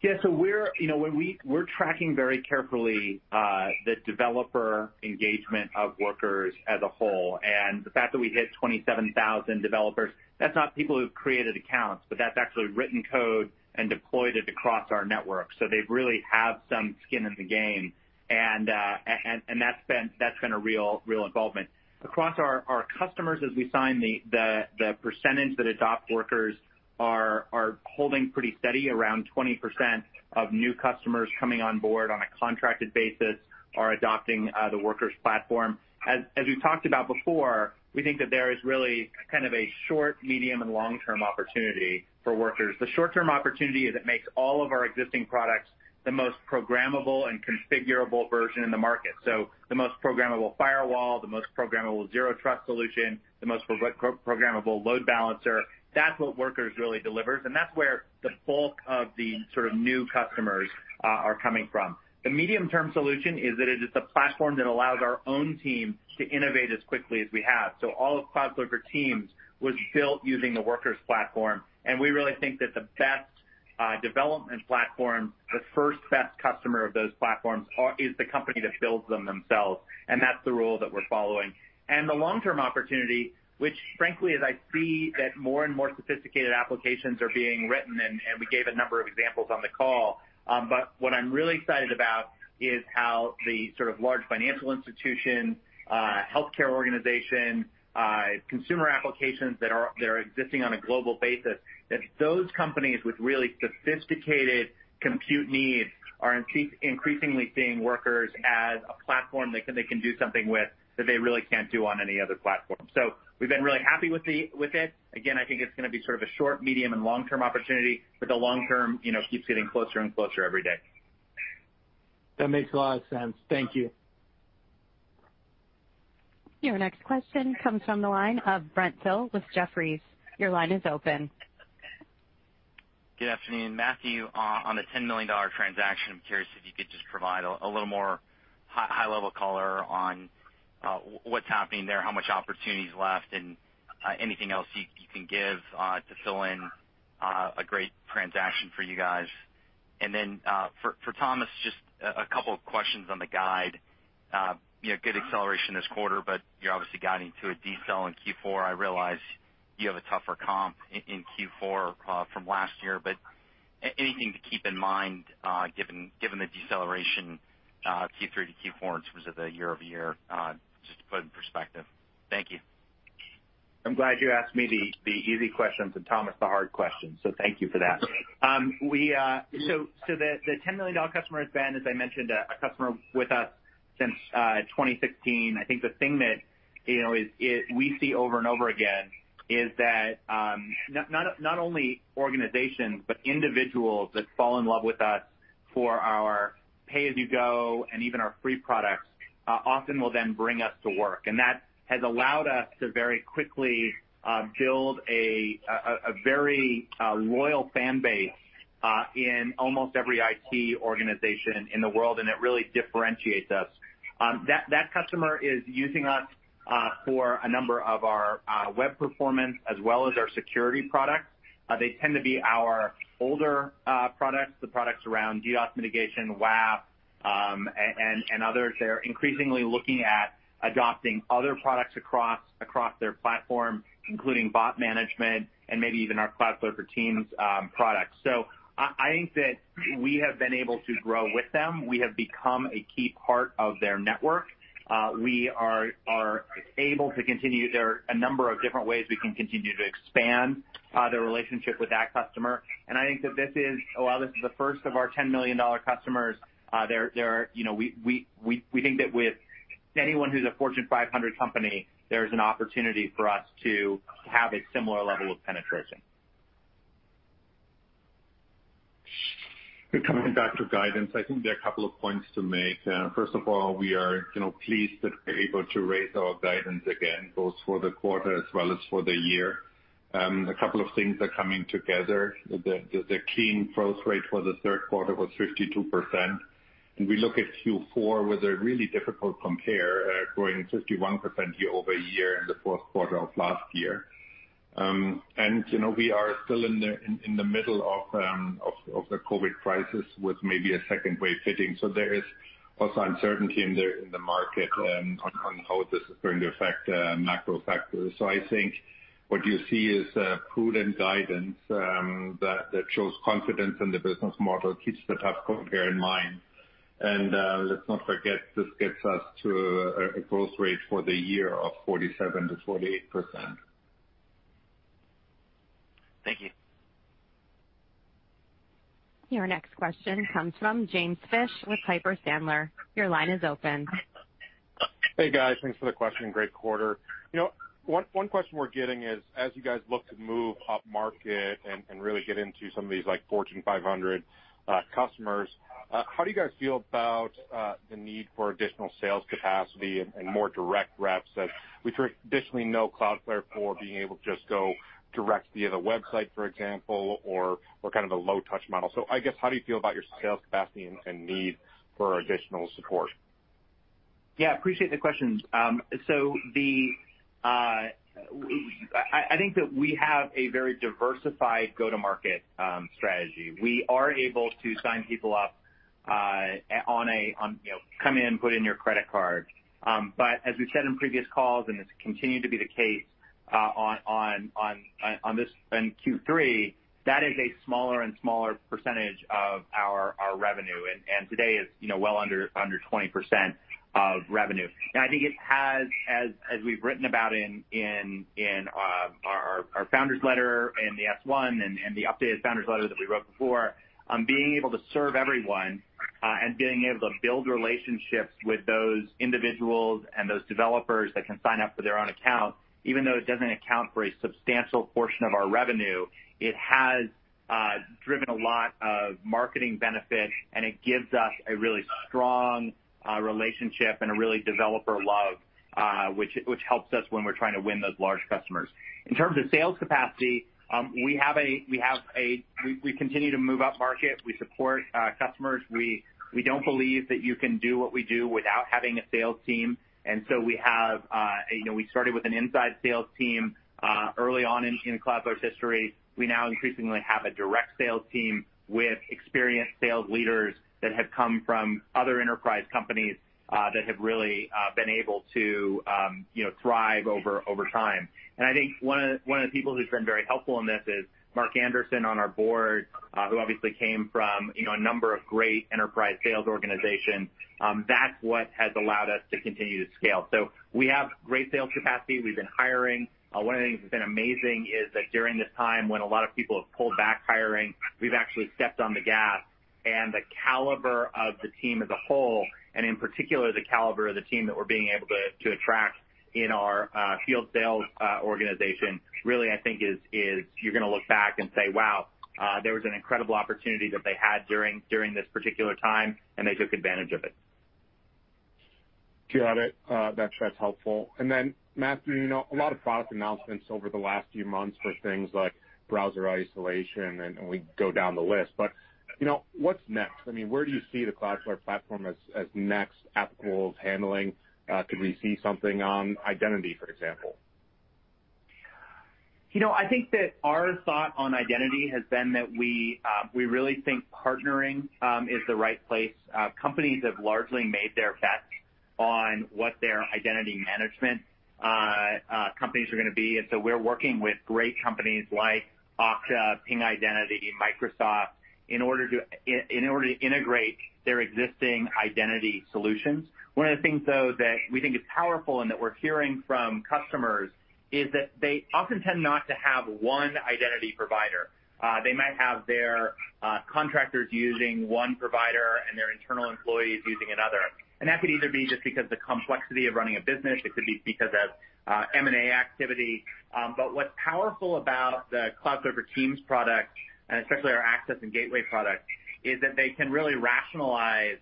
Yeah, we're, you know, we're tracking very carefully the developer engagement of Workers as a whole. The fact that we hit 27,000 developers, that's not people who've created accounts, but that's actually written code and deployed it across our network. They really have some skin in the game. And that's been a real involvement. Across our customers as we sign the percentage that adopt Workers are holding pretty steady. Around 20% of new customers coming on board on a contracted basis are adopting the Workers platform. As we've talked about before, we think that there is really kind of a short, medium, and long-term opportunity for Workers. The short-term opportunity is it makes all of our existing products the most programmable and configurable version in the market. The most programmable firewall, the most programmable Zero Trust solution, the most programmable load balancer, that's what Workers really delivers, and that's where the bulk of the sort of new customers are coming from. The medium-term solution is that it is the platform that allows our own team to innovate as quickly as we have. All of Cloudflare for Teams was built using the Workers platform, and we really think that the best development platform, the first best customer of those platforms is the company that builds them themselves, and that's the rule that we're following. The long-term opportunity, which frankly, as I see that more and more sophisticated applications are being written, and we gave a number of examples on the call. What I'm really excited about is how the sort of large financial institution, healthcare organization, consumer applications that are existing on a global basis, that those companies with really sophisticated compute needs are increasingly seeing Workers as a platform they can do something with that they really can't do on any other platform. We've been really happy with it. Again, I think it's gonna be sort of a short, medium, and long-term opportunity, but the long-term, you know, keeps getting closer and closer every day. That makes a lot of sense. Thank you. Your next question comes from the line of Brent Thill with Jefferies. Your line is open. Good afternoon. Matthew, on the $10 million transaction, I'm curious if you could just provide a little more high-level color on what's happening there, how much opportunity is left, and anything else you can give to fill in a great transaction for you guys. For Thomas, just a couple of questions on the guide. You know, good acceleration this quarter, but you're obviously guiding to a decel in Q4. I realize you have a tougher comp in Q4 from last year, but anything to keep in mind given the deceleration Q3 to Q4 in terms of the year-over-year, just to put in perspective. Thank you. I'm glad you asked me the easy questions and Thomas the hard questions, so thank you for that. We so the $10 million customer has been, as I mentioned, a customer with us since 2016. I think the thing that, you know, we see over and over again is that not only organizations, but individuals that fall in love with us for our Pay-As-You-Go and even our free products often will then bring us to work. That has allowed us to very quickly build a very loyal fan base in almost every IT organization in the world, and it really differentiates us. That customer is using us for a number of our web performance as well as our security products. They tend to be our older products, the products around DDoS mitigation, WAF, and others. They're increasingly looking at adopting other products across their platform, including bot management and maybe even our Cloudflare for Teams product. I think that we have been able to grow with them. We have become a key part of their network. We are able to continue. There are a number of different ways we can continue to expand the relationship with that customer. I think that this is, while this is the first of our 10-million-dollar customers, you know, we think that with anyone who's a Fortune 500 company, there is an opportunity for us to have a similar level of penetration. Coming back to guidance, I think there are a couple of points to make. First of all, we are, you know, pleased that we're able to raise our guidance again, both for the quarter as well as for the year. A couple of things are coming together. The keen growth rate for the third quarter was 52%. We look at Q4 with a really difficult compare, growing 51% year-over-year in the fourth quarter of last year. You know, we are still in the middle of the COVID crisis with maybe a second wave hitting, so there is also uncertainty in the market on how this is going to affect macro factors. I think what you see is prudent guidance, that shows confidence in the business model, keeps the tough compare in mind. Let's not forget, this gets us to a growth rate for the year of 47%-48%. Thank you. Your next question comes from James Fish with Piper Sandler. Your line is open. Hey, guys. Thanks for the question. Great quarter. You know, one question we're getting is, as you guys look to move upmarket and really get into some of these like Fortune 500 customers, how do you guys feel about the need for additional sales capacity and more direct reps that we traditionally know Cloudflare for being able to just go direct via the website, for example, or kind of a low-touch model? I guess, how do you feel about your sales capacity and need for additional support? Yeah, appreciate the question. So, I think that we have a very diversified go-to-market strategy. We are able to sign people up, you know, come in, put in your credit card. As we've said in previous calls, and it's continued to be the case in Q3, that is a smaller and smaller percentage of revenue. Today is, you know, well under 20% of revenue. I think it has, as we've written about in our founder's letter and the S-1 and the updated founder's letter that we wrote before, being able to serve everyone, and being able to build relationships with those individuals and those developers that can sign up for their own account, even though it doesn't account for a substantial portion of our revenue, it has driven a lot of marketing benefit, and it gives us a really strong relationship and a really developer love, which helps us when we're trying to win those large customers. In terms of sales capacity, we continue to move upmarket. We support customers. We don't believe that you can do what we do without having a sales team. We have, you know, we started with an inside sales team early on in Cloudflare's history. We now increasingly have a direct sales team with experienced sales leaders that have come from other enterprise companies that have really been able to, you know, thrive over time. I think one of, one of the people who's been very helpful in this is Mark Anderson on our board, who obviously came from, you know, a number of great enterprise sales organizations. That's what has allowed us to continue to scale. We have great sales capacity. We've been hiring. One of the things that's been amazing is that during this time, when a lot of people have pulled back hiring, we've actually stepped on the gas. The caliber of the team as a whole, and in particular, the caliber of the team that we're being able to attract in our field sales organization, really, I think, is You're gonna look back and say, "Wow, there was an incredible opportunity that they had during this particular time, and they took advantage of it. Got it. That's helpful. Then, Matthew, you know, a lot of product announcements over the last few months for things like browser isolation and we go down the list. You know, what's next? I mean, where do you see the Cloudflare platform as next applicable to handling? Could we see something on identity, for example? You know, I think that our thought on identity has been that we really think partnering is the right place. Companies have largely made their bets on what their identity management companies are gonna be. We're working with great companies like Okta, Ping Identity, Microsoft. In order to integrate their existing identity solutions. One of the things, though, that we think is powerful and that we're hearing from customers is that they often tend not to have one identity provider. They might have their contractors using one provider and their internal employees using another. That could either be just because the complexity of running a business, it could be because of M&A activity. What's powerful about the Cloudflare for Teams product, and especially our Access and Gateway product, is that they can really rationalize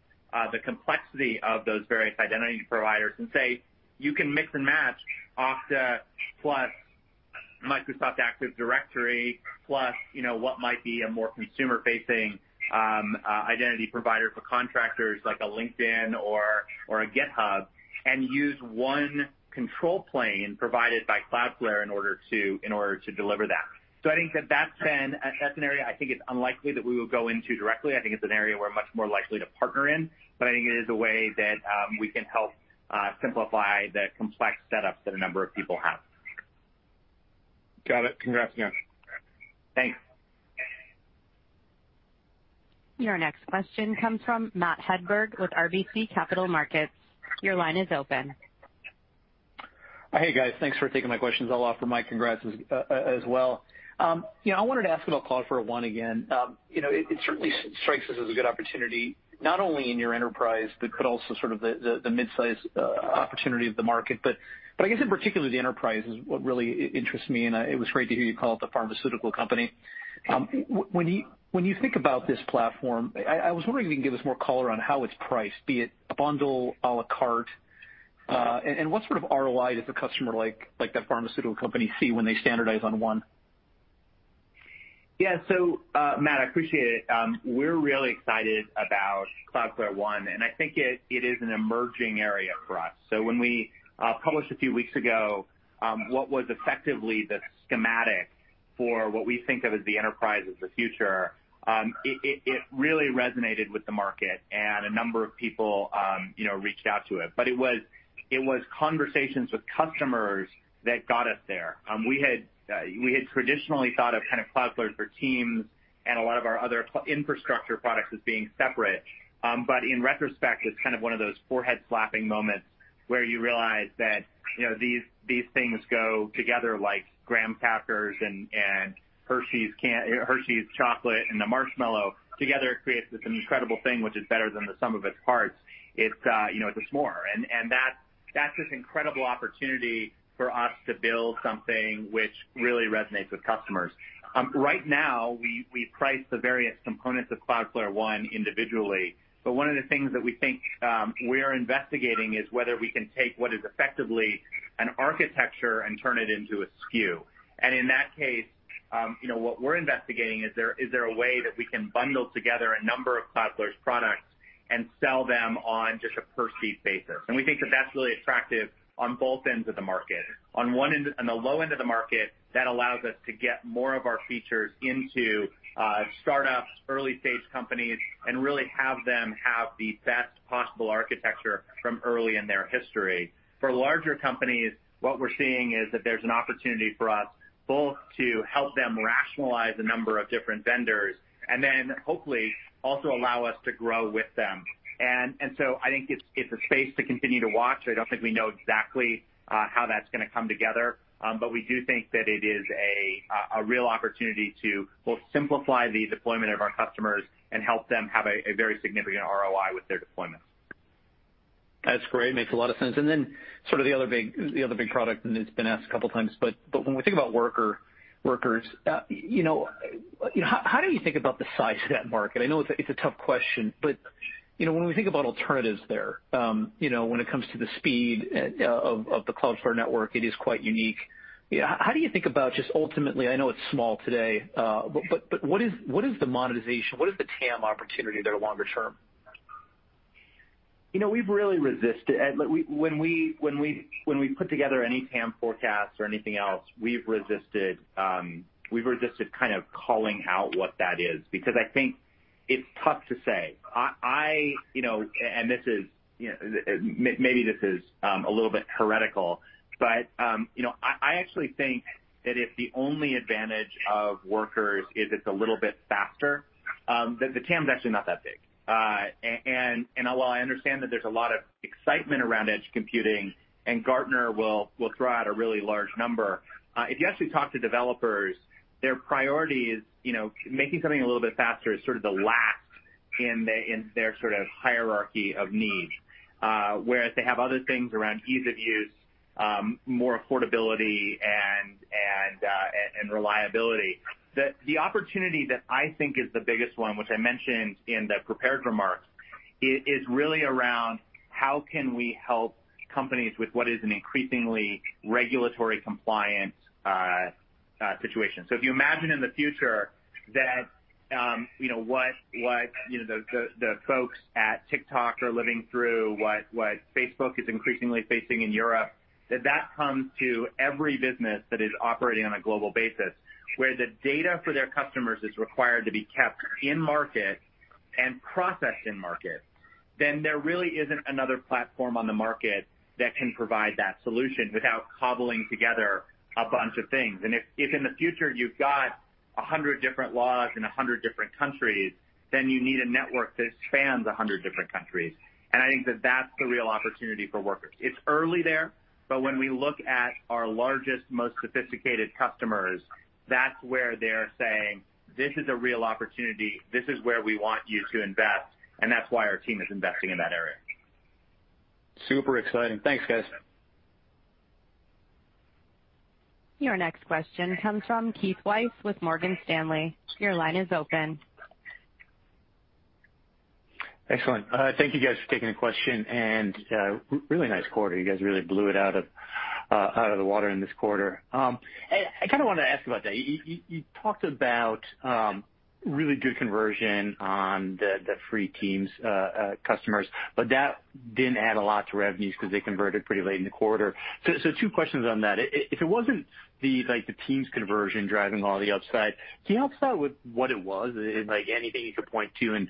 the complexity of those various identity providers and say, "You can mix and match Okta plus Microsoft Active Directory, plus, you know, what might be a more consumer-facing identity provider for contractors like a LinkedIn or a GitHub, and use one control plane provided by Cloudflare in order to deliver that." I think that that's an area I think it's unlikely that we would go into directly. I think it's an area we're much more likely to partner in. I think it is a way that we can help simplify the complex setups that a number of people have. Got it. Congrats, again. Thanks. Your next question comes from Matt Hedberg with RBC Capital Markets. Your line is open. Hey, guys. Thanks for taking my questions. I'll offer my congrats as well. You know, I wanted to ask about Cloudflare One again. You know, it certainly strikes us as a good opportunity, not only in your enterprise, but could also sort of the midsize opportunity of the market. I guess in particular, the enterprise is what really interests me, and it was great to hear you call out the pharmaceutical company. When you think about this platform, I was wondering if you can give us more color on how it's priced, be it a bundle, à la carte, and what sort of ROI does a customer like that pharmaceutical company see when they standardize on One? Yes. So, Matt, I appreciate it. We're really excited about Cloudflare One, and I think it is an emerging area for us. When we published a few weeks ago, what was effectively the schematic for what we think of as the enterprise of the future, it really resonated with the market and a number of people, you know, reached out to it. It was conversations with customers that got us there. We had traditionally thought of kind of Cloudflare for Teams and a lot of our other infrastructure products as being separate. In retrospect, it's kind of one of those forehead slapping moments where you realize that, you know, these things go together like graham crackers and Hershey's chocolate and the marshmallow. Together it creates this an incredible thing which is better than the sum of its parts. It's, you know, it's a s'more. That's this incredible opportunity for us to build something which really resonates with customers. Right now, we price the various components of Cloudflare One individually, one of the things that we think we are investigating is whether we can take what is effectively an architecture and turn it into a SKU. In that case, you know, what we're investigating, is there a way that we can bundle together a number of Cloudflare's products and sell them on just a per-seat basis. We think that that's really attractive on both ends of the market. On one end, on the low end of the market, that allows us to get more of our features into startups, early-stage companies, and really have them have the best possible architecture from early in their history. For larger companies, what we're seeing is that there's an opportunity for us both to help them rationalize a number of different vendors and then hopefully also allow us to grow with them. I think it's a space to continue to watch. I don't think we know exactly how that's going to come together, but we do think that it is a real opportunity to both simplify the deployment of our customers and help them have a very significant ROI with their deployments. That's great. Makes a lot of sense. Sort of the other big product, and it's been asked a couple times, but when we think about Cloudflare Workers, you know, you know, how do you think about the size of that market? I know it's a tough question, but, you know, when we think about alternatives there, you know, when it comes to the speed of the Cloudflare network, it is quite unique. You know, how do you think about just ultimately, I know it's small today, but what is the monetization? What is the TAM opportunity there longer term? You know, we've really resisted, look, we, when we put together any TAM forecast or anything else, we've resisted kind of calling out what that is because I think it's tough to say. You know, and this is, maybe this is a little bit heretical, but, you know, I actually think that if the only advantage of Workers is it's a little bit faster, then the TAM's actually not that big. And while I understand that there's a lot of excitement around edge computing, and Gartner will throw out a really large number, if you actually talk to developers, their priority is, you know, making something a little bit faster is sort of the last in their sort of hierarchy of needs. Whereas they have other things around ease of use, more affordability and reliability. The opportunity that I think is the biggest one, which I mentioned in the prepared remarks, is really around how can we help companies with what is an increasingly regulatory compliance situation. If you imagine in the future that, you know, what, you know, the folks at TikTok are living through, what Facebook is increasingly facing in Europe, that comes to every business that is operating on a global basis, where the data for their customers is required to be kept in market-and processed in-market, there really isn't another platform on the market that can provide that solution without cobbling together a bunch of things. If in the future you've got 100 different laws in 100 different countries, then you need a network that spans 100 different countries. I think that that's the real opportunity for Workers. It's early there, but when we look at our largest, most sophisticated customers, that's where they're saying, "This is a real opportunity. This is where we want you to invest." That's why our team is investing in that area. Super exciting. Thanks, guys. Your next question comes from Keith Weiss with Morgan Stanley. Your line is open. Excellent. Thank you guys for taking the question. Really nice quarter. You guys really blew it out of the water in this quarter. Hey, I kinda wanted to ask about that. You talked about really good conversion on the free Teams customers, but that didn't add a lot to revenues 'cause they converted pretty late in the quarter. Two questions on that. If it wasn't the, like, the Teams conversion driving all the upside, can you help us out with what it was? Is, like, anything you could point to and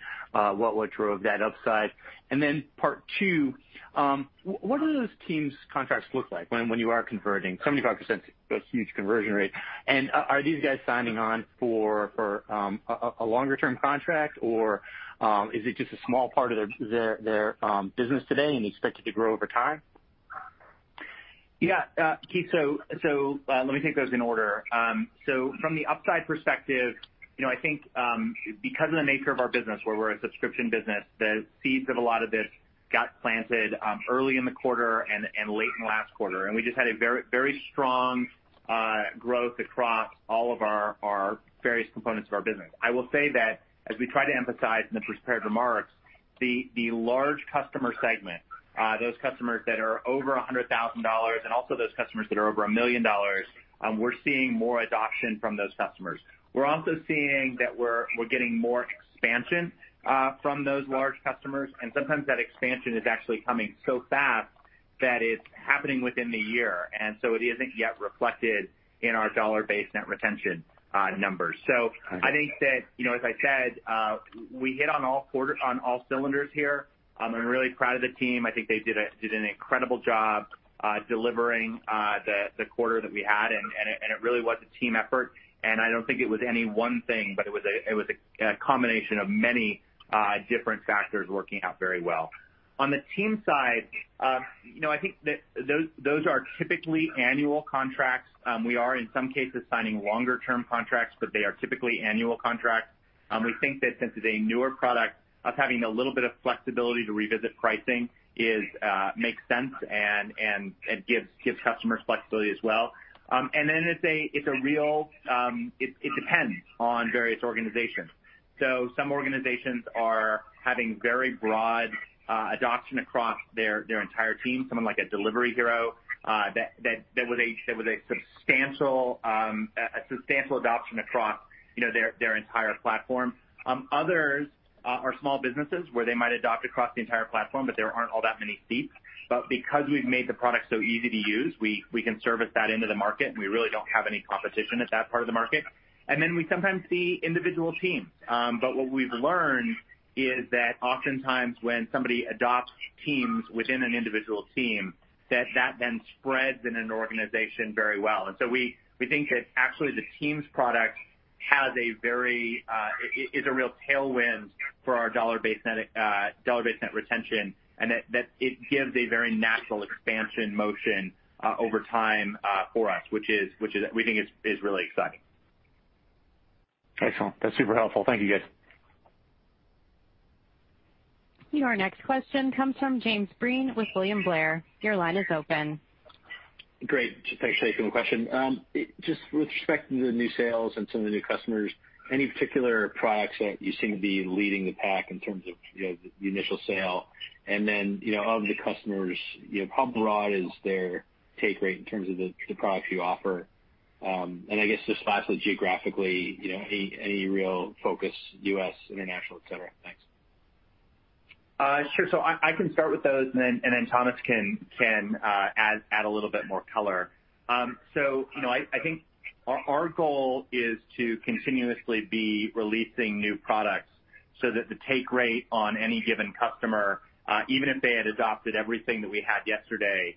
what drove that upside? Part two, what do those Teams contracts look like when you are converting? 75% is a huge conversion rate. Are these guys signing on for a longer-term contract or, is it just a small part of their business today and you expect it to grow over time? Yeah. Keith, let me take those in order. From the upside perspective, you know, I think, because of the nature of our business where we're a subscription business, the seeds of a lot of this got planted early in the quarter and late in last quarter. We just had a very strong growth across all of our various components of our business. I will say that as we try to emphasize in the prepared remarks, the large customer segment, those customers that are over $100,000, and also those customers that are over $1 million, we're seeing more adoption from those customers. We're also seeing that we're getting more expansion from those large customers, and sometimes that expansion is actually coming so fast that it's happening within the year. It isn't yet reflected in our dollar-based net retention numbers. Got it. I think that, you know, as I said, we hit on all cylinders here. I'm really proud of the team. I think they did an incredible job delivering the quarter that we had. It really was a team effort, and I don't think it was any one thing, but it was a combination of many different factors working out very well. On the Team side, you know, I think that those are typically annual contracts. We are in some cases signing longer term contracts, but they are typically annual contracts. We think that since it's a newer product, us having a little bit of flexibility to revisit pricing is makes sense and it gives customers flexibility as well. It's a real, it depends on various organizations. Some organizations are having very broad adoption across their entire team, someone like a Delivery Hero that was a substantial adoption across, you know, their entire platform. Others are small businesses where they might adopt across the entire platform, but there aren't all that many seats. Because we've made the product so easy to use, we can service that into the market, and we really don't have any competition at that part of the market. We sometimes see individual teams. What we've learned is that oftentimes, when somebody adopts Teams within an individual team, that then spreads in an organization very well. We think that actually the Teams product is a real tailwind for our dollar-based net retention, and that it gives a very natural expansion motion over time for us, which is, we think is really exciting. Excellent. That's super helpful. Thank you, guys. Your next question comes from Jim Breen with William Blair. Your line is open. Great. Just thanks. Thank you for the question. Just with respect to the new sales and some of the new customers, any particular products that you seem to be leading the pack in terms of, you know, the initial sale? Then, you know, of the customers, you know, how broad is their take rate in terms of the products you offer? I guess just lastly, geographically, you know, any real focus, U.S., international, et cetera? Thanks. Sure. I can start with those and then Thomas can add a little bit more color. You know, I think our goal is to continuously be releasing new products so that the take rate on any given customer, even if they had adopted everything that we had yesterday,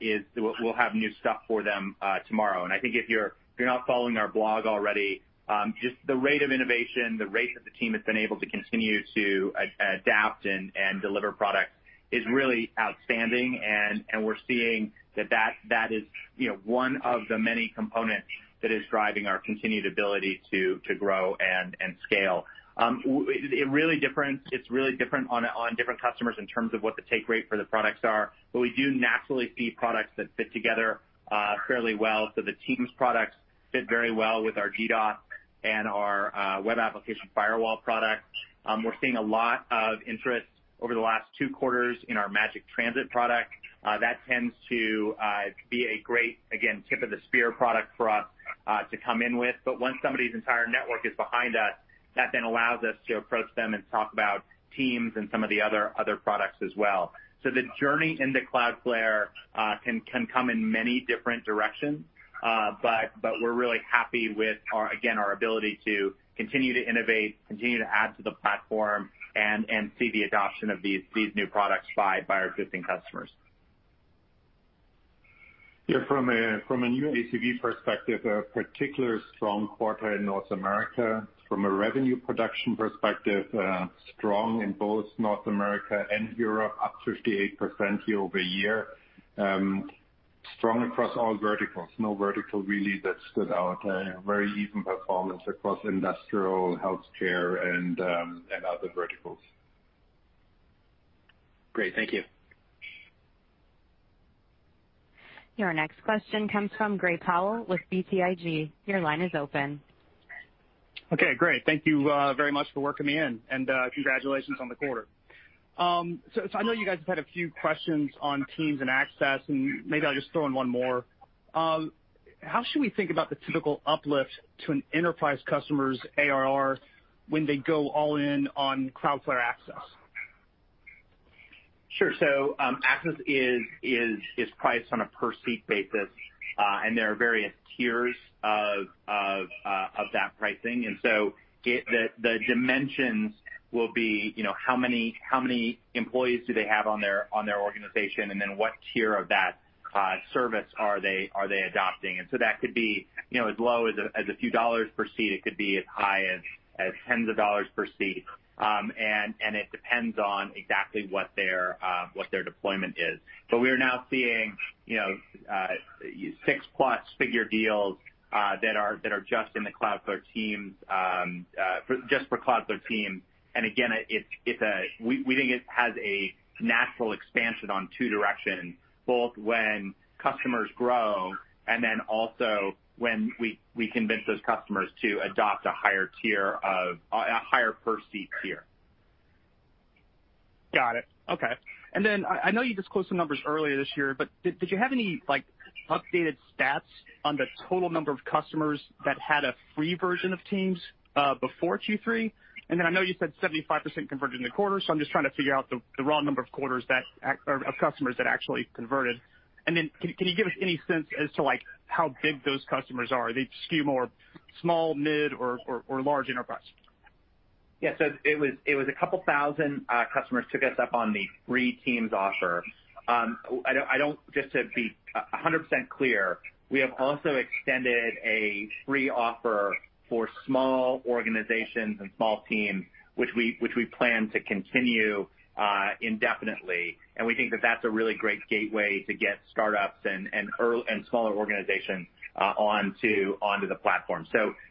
is we'll have new stuff for them tomorrow. I think if you're not following our blog already, just the rate of innovation, the rate that the team has been able to continue to adapt and deliver products is really outstanding. We're seeing that that is, you know, one of the many components that is driving our continued ability to grow and scale. It's really different on different customers in terms of what the take rate for the products are, but we do naturally see products that fit together fairly well. The Cloudflare for Teams products fit very well with our and our Web Application Firewall product. We're seeing a lot of interest over the last two quarters in our Magic Transit product. That tends to be a great, again, tip of the spear product for us to come in with. Once somebody's entire network is behind us, that then allows us to approach them and talk about Cloudflare for Teams and some of the other products as well. The journey into Cloudflare can come in many different directions. We're really happy with again, our ability to continue to innovate, continue to add to the platform and see the adoption of these new products by our existing customers. From a new ACV perspective, a particular strong quarter in North America. From a revenue production perspective, strong in both North America and Europe, up 58% year-over-year. Strong across all verticals. No vertical really that stood out. A very even performance across industrial, healthcare, and other verticals. Great. Thank you. Your next question comes from Gray Powell with BTIG. Your line is open. Okay, great. Thank you, very much for working me in, and congratulations on the quarter. I know you guys have had a few questions on Teams and Access, and maybe I'll just throw in one more. How should we think about the typical uplift to an enterprise customer's ARR when they go all in on Cloudflare Access? Sure. Access is priced on a per seat basis, and there are various tiers of that pricing. The dimensions will be, you know, how many employees do they have on their organization, and then what tier of that service are they adopting? That could be, you know, as low as a few dollars per seat. It could be as high as tens of dollars per seat. And it depends on exactly what their deployment is. We are now seeing, you know, six-plus figure deals that are just in the Cloudflare Teams, just for Cloudflare Team. Again, we think it has a natural expansion on two directions, both when customers grow and then also when we convince those customers to adopt a higher tier of a higher per seat tier. Got it. Okay. I know you disclosed some numbers earlier this year, but did you have any, like, updated stats on the total number of customers that had a free version of Teams before Q3? I know you said 75% converted in the quarter, I'm just trying to figure out the raw number of customers that actually converted. Can you give us any sense as to like how big those customers are? Do they skew more small, mid or large enterprise? It was a couple thousand customers took us up on the free Teams offer. Just to be 100% clear, we have also extended a free offer for small organizations and small teams, which we plan to continue indefinitely, and we think that that's a really great gateway to get startups and smaller organizations onto the platform.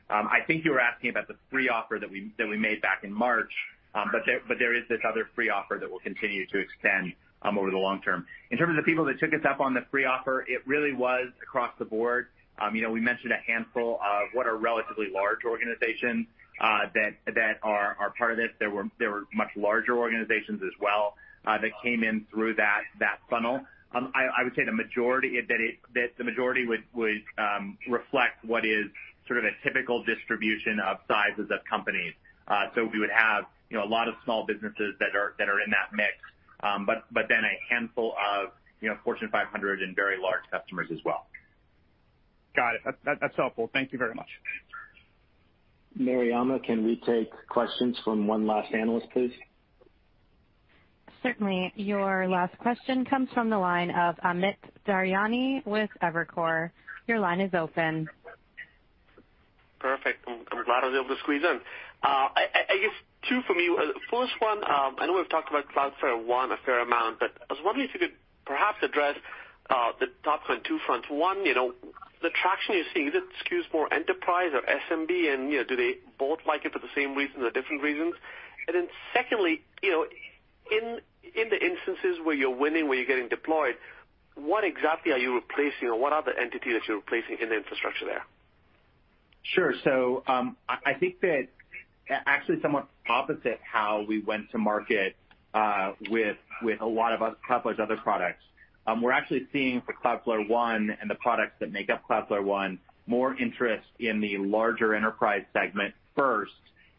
I think you were asking about the free offer that we made back in March, but there is this other free offer that we'll continue to extend over the long term. In terms of the people that took us up on the free offer, it really was across the board. You know, we mentioned a handful of what are relatively large organizations that are part of this. There were much larger organizations as well that came in through that funnel. I would say the majority would reflect what is sort of a typical distribution of sizes of companies. We would have, you know, a lot of small businesses that are in that mix, but then a handful of, you know, Fortune 500 and very large customers as well. Got it. That's helpful. Thank you very much. Mariama, can we take questions from one last analyst, please? Certainly. Your last question comes from the line of Amit Daryanani with Evercore. Your line is open. Perfect. I'm glad I was able to squeeze in. I guess two for me. The first one, I know we've talked about Cloudflare One a fair amount, but I was wondering if you could perhaps address the topic on two fronts. One, you know, the traction you're seeing, does it skews more enterprise or SMB, and, you know, do they both like it for the same reasons or different reasons? Secondly, you know, in the instances where you're winning, where you're getting deployed, what exactly are you replacing or what are the entities you're replacing in the infrastructure there? Sure. I think that actually somewhat opposite how we went to market with a lot of other Cloudflare's other products. We're actually seeing for Cloudflare One and the products that make up Cloudflare One more interest in the larger enterprise segment first,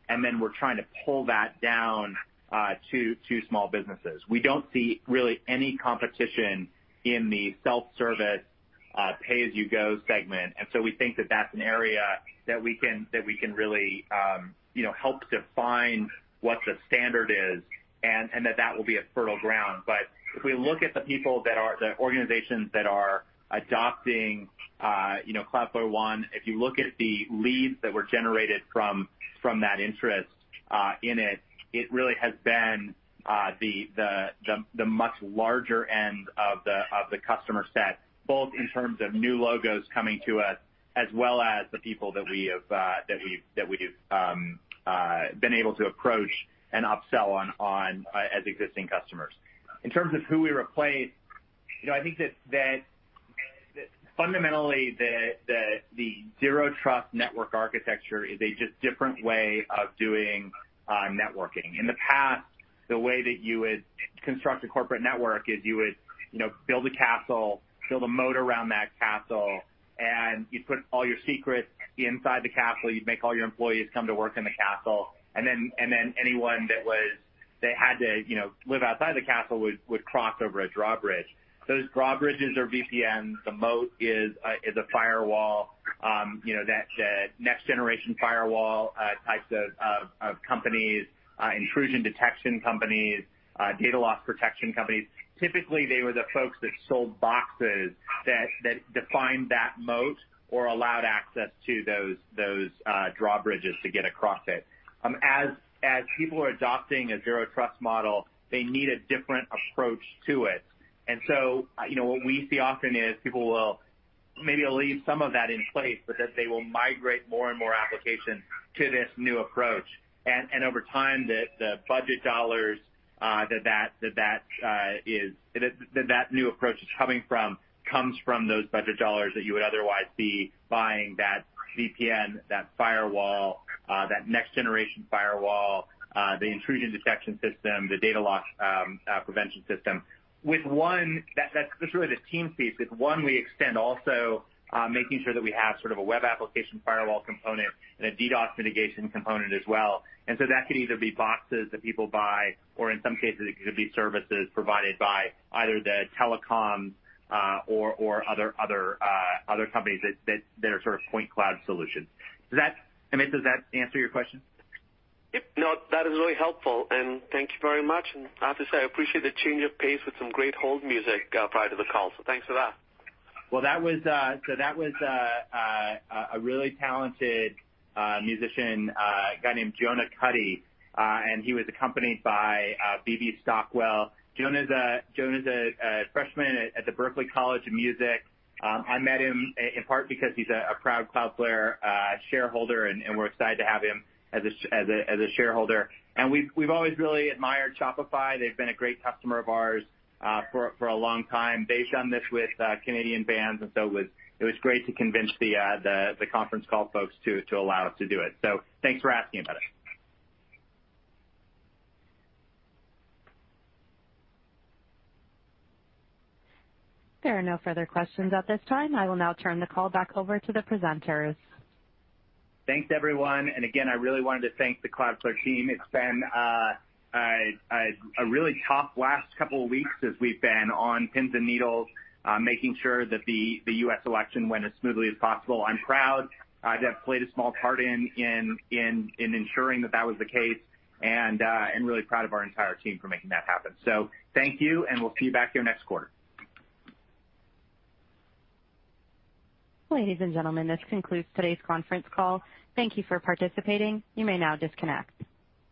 and then we're trying to pull that down to small businesses. We don't see really any competition in the self-service, pay-as-you-go segment, we think that that's an area that we can really, you know, help define what the standard is and that will be a fertile ground. If we look at the organizations that are adopting, you know, Cloudflare One, if you look at the leads that were generated from that interest in it really has been the much larger end of the customer set, both in terms of new logos coming to us as well as the people that we have that we've been able to approach and upsell on as existing customers. In terms of who we replace, you know, I think that fundamentally the Zero Trust Network architecture is a just different way of doing networking. In the past, the way that you would construct a corporate network is you would, you know, build a castle, build a moat around that castle. You'd put all your secrets inside the castle. You'd make all your employees come to work in the castle. Then anyone that had to, you know, live outside the castle would cross over a drawbridge. Those drawbridges are VPNs. The moat is a firewall. You know, that next generation firewall types of companies, intrusion detection companies, data loss protection companies, typically they were the folks that sold boxes that defined that moat or allowed access to those drawbridges to get across it. As people are adopting a Zero Trust model, they need a different approach to it. You know, what we see often is people will maybe leave some of that in place, but that they will migrate more and more applications to this new approach. Over time, the budget dollars that new approach is coming from comes from those budget dollars that you would otherwise be buying that VPN, that firewall, that next generation firewall, the intrusion detection system, the data loss prevention system. With One, that's really the team piece. With One, we extend also, making sure that we have sort of a web application firewall component and a DDoS mitigation component as well. That could either be boxes that people buy, or in some cases it could be services provided by either the telecom, or other companies that are sort of point cloud solutions. Does that, Amit, does that answer your question? Yep. That is really helpful and thank you very much. I have to say, I appreciate the change of pace with some great hold music prior to the call, so thanks for that. Well, that was, so that was a really talented musician, a guy named Jonah Cuddy, and he was accompanied by Bebe Stockwell. Jonah's a freshman at the Berklee College of Music. I met him in part because he's a proud Cloudflare shareholder and we're excited to have him as a shareholder. We've always really admired Shopify. They've been a great customer of ours for a long time. They've done this with Canadian bands, it was great to convince the conference call folks to allow us to do it. Thanks for asking about it. There are no further questions at this time. I will now turn the call back over to the presenters. Thanks, everyone, again, I really wanted to thank the Cloudflare team. It's been a really tough last couple weeks as we've been on pins and needles making sure that the U.S. election went as smoothly as possible. I'm proud to have played a small part in ensuring that that was the case and really proud of our entire team for making that happen. Thank you, and we'll see you back here next quarter. Ladies and gentlemen, this concludes today's conference call. Thank you for participating. You may now disconnect.